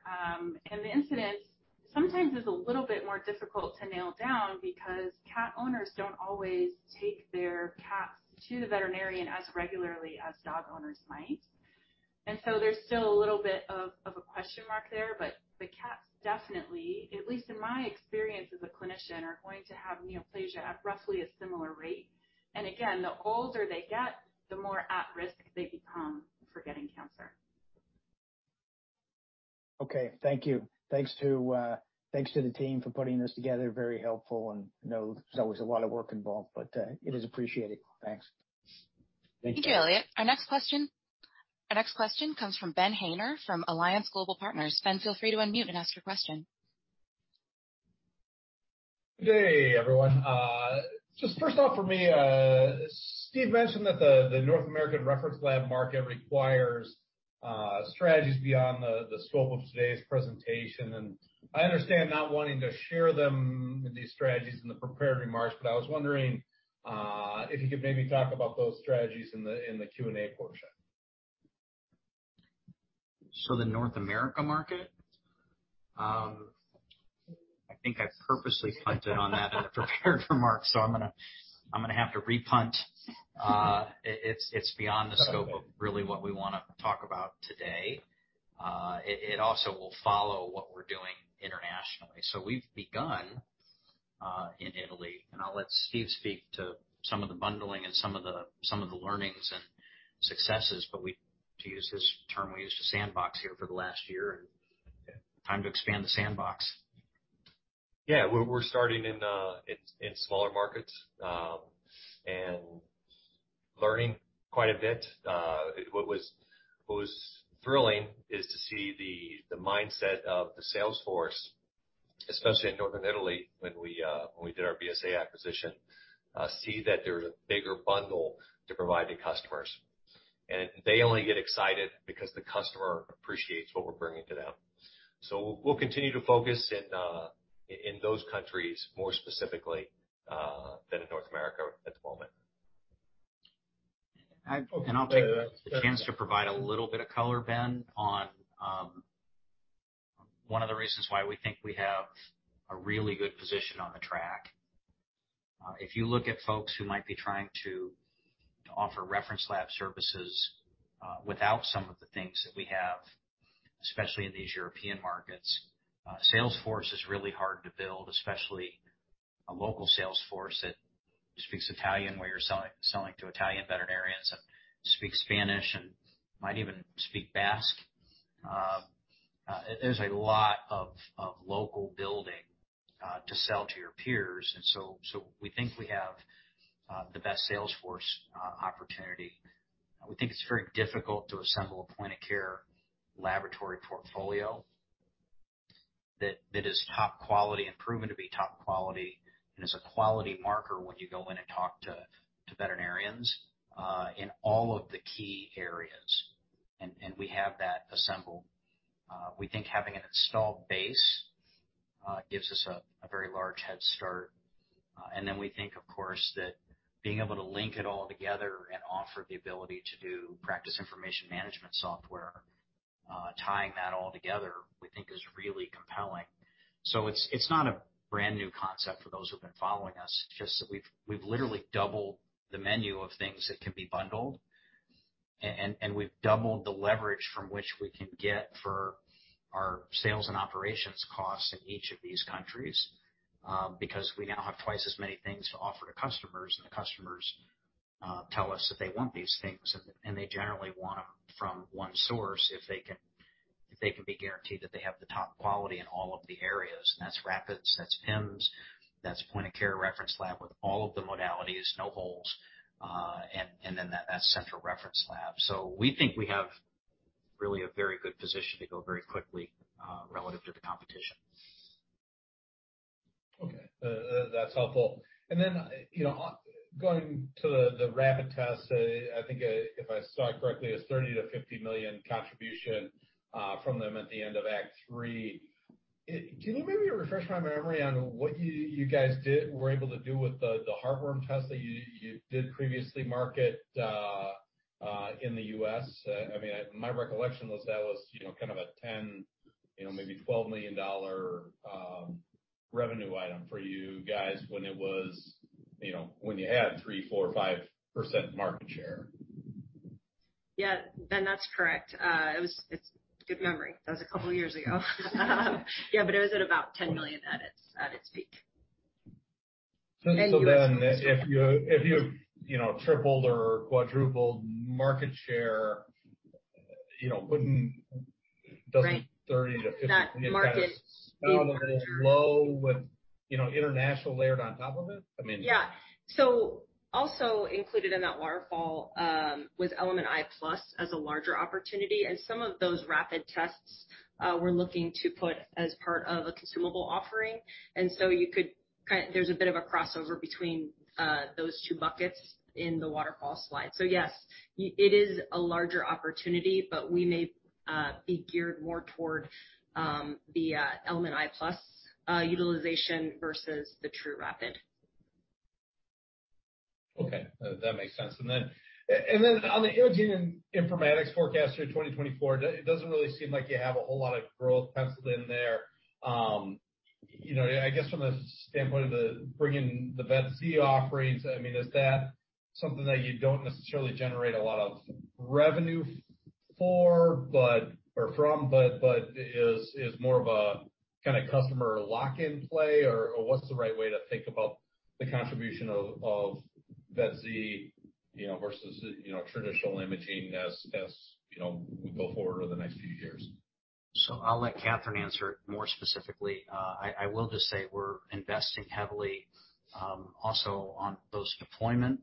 The incidence sometimes is a little bit more difficult to nail down because cat owners don't always take their cats to the veterinarian as regularly as dog owners might. There's still a little bit of a question mark there. The cats definitely, at least in my experience as a clinician, are going to have neoplasia at roughly a similar rate. Again, the older they get, the more at risk they become for getting cancer. Okay. Thank you. Thanks to the team for putting this together. Very helpful, and I know there's always a lot of work involved, but it is appreciated. Thanks. Thank you. Thank you, Elliot. Our next question comes from Ben Haynor from Alliance Global Partners. Ben, feel free to unmute and ask your question. Good day, everyone. Just first off for me, Steve mentioned that the North American reference lab market requires strategies beyond the scope of today's presentation. I understand not wanting to share these strategies in the prepared remarks, but I was wondering if you could maybe talk about those strategies in the Q&A portion. The North America market? I think I purposely punted on that in the prepared remarks, so I'm gonna have to repunt. It's beyond the scope of really what we wanna talk about today. It also will follow what we're doing internationally. We've begun in Italy, and I'll let Steve speak to some of the bundling and some of the learnings and successes. To use his term, we used a sandbox here for the last year and time to expand the sandbox. Yeah. We're starting in smaller markets and learning quite a bit. What was thrilling is to see the mindset of the sales force, especially in northern Italy, when we did our BSA acquisition, see that there's a bigger bundle to provide to customers. They only get excited because the customer appreciates what we're bringing to them. We'll continue to focus in those countries more specifically than in North America at the moment. I'll take the chance to provide a little bit of color, Ben, on one of the reasons why we think we have a really good position on the track. If you look at folks who might be trying to offer reference lab services without some of the things that we have, especially in these European markets, sales force is really hard to build, especially a local sales force that speaks Italian, where you're selling to Italian veterinarians and speaks Spanish and might even speak Basque. There's a lot of local building to sell to your peers. So we think we have the best sales force opportunity. We think it's very difficult to assemble a point-of-care laboratory portfolio that is top quality and proven to be top quality and is a quality marker when you go in and talk to veterinarians in all of the key areas. We have that assembled. We think having an installed base gives us a very large head start. We think, of course, that being able to link it all together and offer the ability to do Practice Information Management Software, tying that all together, we think is really compelling. It's not a brand-new concept for those who've been following us, just that we've literally doubled the menu of things that can be bundled. We've doubled the leverage from which we can get for our sales and operations costs in each of these countries, because we now have twice as many things to offer to customers, and the customers tell us that they want these things, and they generally want them from one source if they can be guaranteed that they have the top quality in all of the areas. That's rapids, that's PIMS, that's point-of-care reference lab with all of the modalities, no holes, and then that central reference lab. We think we have really a very good position to go very quickly relative to the competition. Okay. That's helpful. Then, you know, going to the rapid tests, I think if I saw it correctly, is $30 million-$50 million contribution from them at the end of Act Three. Can you maybe refresh my memory on what you guys were able to do with the heartworm test that you did previously market in the U.S.? I mean, my recollection was that was, you know, kind of a $10, you know, maybe $12 million revenue item for you guys when it was, you know, when you had 3%-5% market share. Yeah. Ben, that's correct. It's good memory. That was a couple of years ago. Yeah, but it was at about $10 million at its peak. If you know, tripled or quadrupled market share, you know, doesn't 30%-50%? Right. Kind of a little low with, you know, international layered on top of it. I mean. Yeah. Also included in that waterfall was Element i+ as a larger opportunity. Some of those rapid tests we're looking to put as part of a consumable offering. There's a bit of a crossover between those two buckets in the waterfall slide. Yes, it is a larger opportunity, but we may be geared more toward the Element i+ utilization versus the trūRapid. Okay. That makes sense. On the imaging and informatics forecast through 2024, it doesn't really seem like you have a whole lot of growth penciled in there. You know, I guess from the standpoint of bringing the VetZ offerings, I mean, is that something that you don't necessarily generate a lot of revenue for or from, but is more of a customer lock-in play, or what's the right way to think about the contribution of VetZ, you know, versus traditional imaging as you know we go forward over the next few years? I'll let Catherine answer more specifically. I will just say we're investing heavily also on those deployment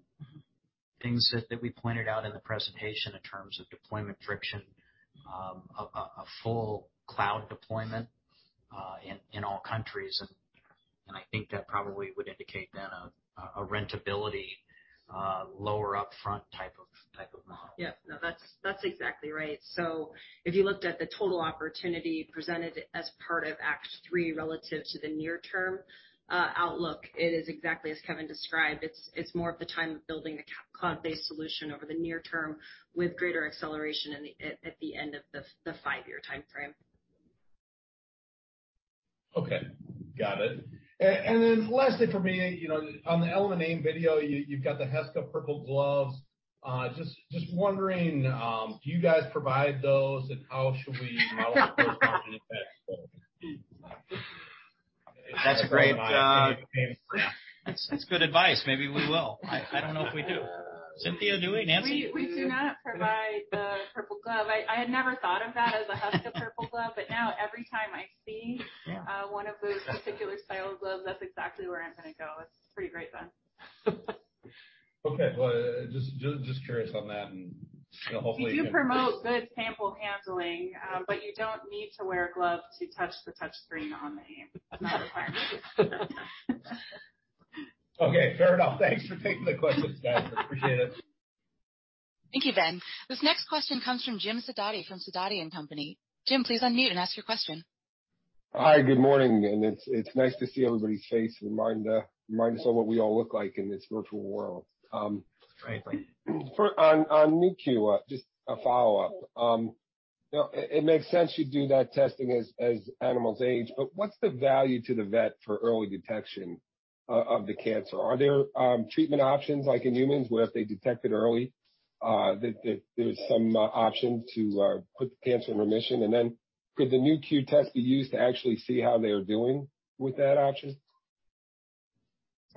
things that we pointed out in the presentation in terms of deployment friction, a full cloud deployment, in all countries. I think that probably would indicate a rentability lower upfront type of model. That's exactly right. If you looked at the total opportunity presented as part of Act Three relative to the near-term outlook, it is exactly as Kevin described. It's more of the time of building a cloud-based solution over the near term with greater acceleration at the end of the five-year timeframe. Okay. Got it. Lastly for me, you know, on the Element AIM video, you've got the Heska purple gloves. Just wondering, do you guys provide those, and how should we- That's a great. Yeah. It's good advice. Maybe we will. I don't know if we do. Cynthia, do we? Nancy? We do not provide the purple glove. I had never thought of that as a Heska purple glove, but now every time I see- Yeah. One of those particular style gloves, that's exactly where I'm gonna go. It's pretty great, Ben. Okay. Well, just curious on that and, you know, hopefully. We do promote good sample handling, but you don't need to wear a glove to touch the touch screen on the AIM. It's not required. Okay, fair enough. Thanks for taking the question, guys. Appreciate it. Thank you, Ben. This next question comes from Jim Sidoti from Sidoti & Company. Jim, please unmute and ask your question. Hi, good morning. It's nice to see everybody's face, remind us of what we all look like in this virtual world. Right. On Nu.Q, just a follow-up. You know, it makes sense you do that testing as animals age, but what's the value to the vet for early detection of the cancer? Are there treatment options like in humans, where if they detect it early, that there's some option to put the cancer in remission? Could the Nu.Q test be used to actually see how they are doing with that option?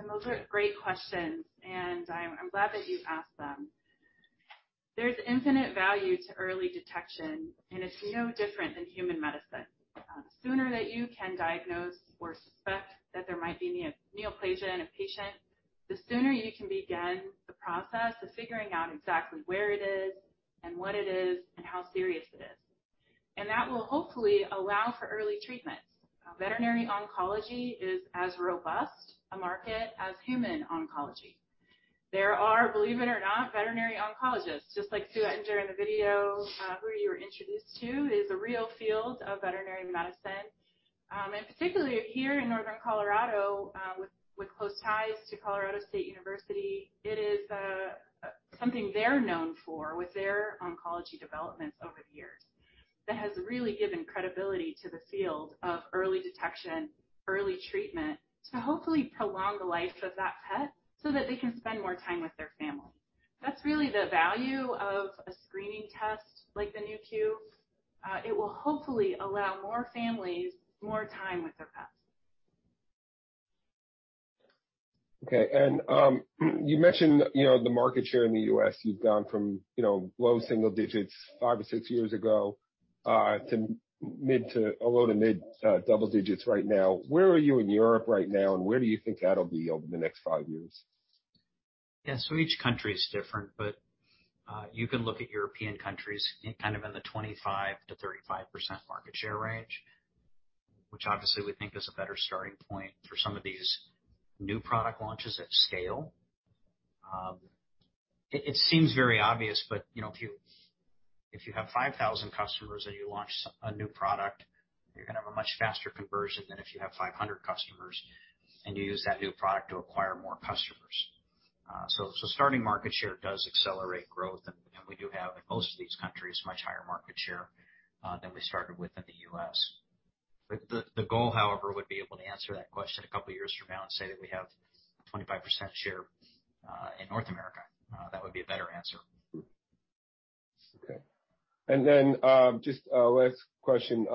Those are great questions, and I'm glad that you asked them. There's infinite value to early detection, and it's no different than human medicine. The sooner that you can diagnose or suspect that there might be neoplasia in a patient, the sooner you can begin the process of figuring out exactly where it is and what it is and how serious it is. That will hopefully allow for early treatment. Veterinary oncology is as robust a market as human oncology. There are, believe it or not, veterinary oncologists, just like Sue Ettinger in the video, who you were introduced to, is a real field of veterinary medicine. Particularly here in northern Colorado, with close ties to Colorado State University, it is something they're known for with their oncology developments over the years. That has really given credibility to the field of early detection, early treatment, to hopefully prolong the life of that pet so that they can spend more time with their family. That's really the value of a screening test like the Nu.Q. It will hopefully allow more families more time with their pets. Okay, you mentioned, you know, the market share in the US, you've gone from, you know, low single digits five or six years ago, to low to mid double digits right now. Where are you in Europe right now, and where do you think that'll be over the next five years? Yeah. Each country is different, but you can look at European countries kind of in the 25%-35% market share range, which obviously we think is a better starting point for some of these new product launches at scale. It seems very obvious, but you know, if you have 5,000 customers and you launch a new product, you're gonna have a much faster conversion than if you have 500 customers and you use that new product to acquire more customers. Starting market share does accelerate growth, and we do have, in most of these countries, much higher market share than we started with in the U.S. The goal, however, would be able to answer that question a couple of years from now and say that we have 25% share in North America. That would be a better answer. Okay, just a last question.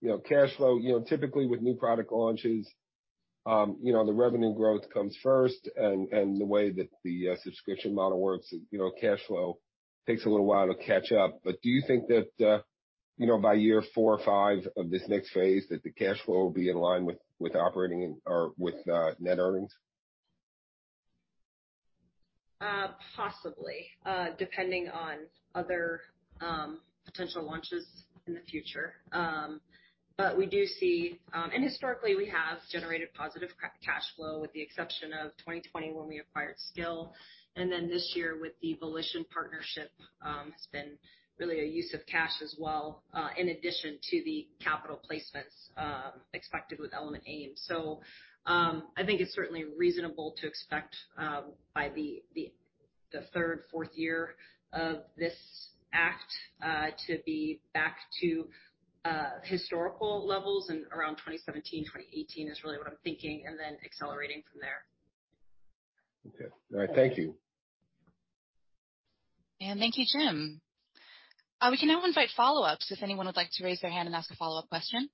You know, cash flow, you know, typically with new product launches, you know, the revenue growth comes first and the way that the subscription model works, you know, cash flow takes a little while to catch up. Do you think that you know, by year four or five of this next phase that the cash flow will be in line with operating or with net earnings? Possibly, depending on other potential launches in the future. We do see, and historically, we have generated positive cash flow with the exception of 2020 when we acquired Scil. This year with the Volition partnership has been really a use of cash as well, in addition to the capital placements expected with Element AIM. I think it's certainly reasonable to expect by the third, fourth year of this act to be back to historical levels in around 2017, 2018 is really what I'm thinking, and then accelerating from there. Okay. All right. Thank you. Thank you, Jim. We can now invite follow-ups if anyone would like to raise their hand and ask a follow-up question.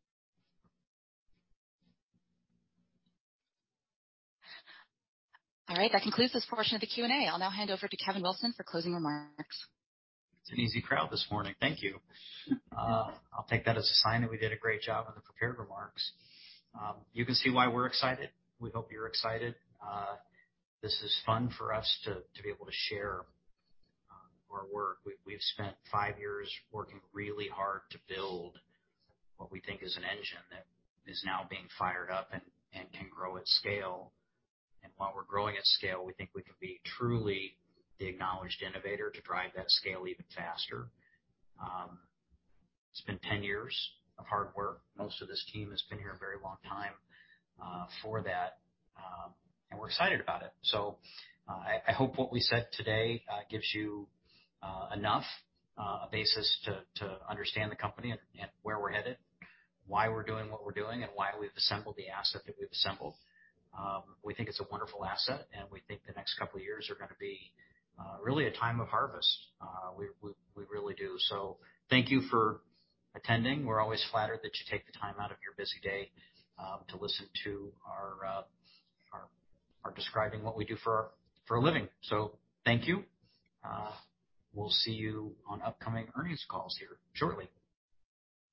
All right. That concludes this portion of the Q&A. I'll now hand over to Kevin Wilson for closing remarks. It's an easy crowd this morning. Thank you. I'll take that as a sign that we did a great job on the prepared remarks. You can see why we're excited. We hope you're excited. This is fun for us to be able to share our work. We've spent five years working really hard to build what we think is an engine that is now being fired up and can grow at scale. While we're growing at scale, we think we can be truly the acknowledged innovator to drive that scale even faster. It's been 10 years of hard work. Most of this team has been here a very long time for that. We're excited about it. I hope what we said today gives you enough a basis to understand the company and where we're headed, why we're doing what we're doing, and why we've assembled the asset that we've assembled. We think it's a wonderful asset, and we think the next couple of years are gonna be really a time of harvest. We really do. Thank you for attending. We're always flattered that you take the time out of your busy day to listen to our describing what we do for a living. Thank you. We'll see you on upcoming earnings calls here shortly.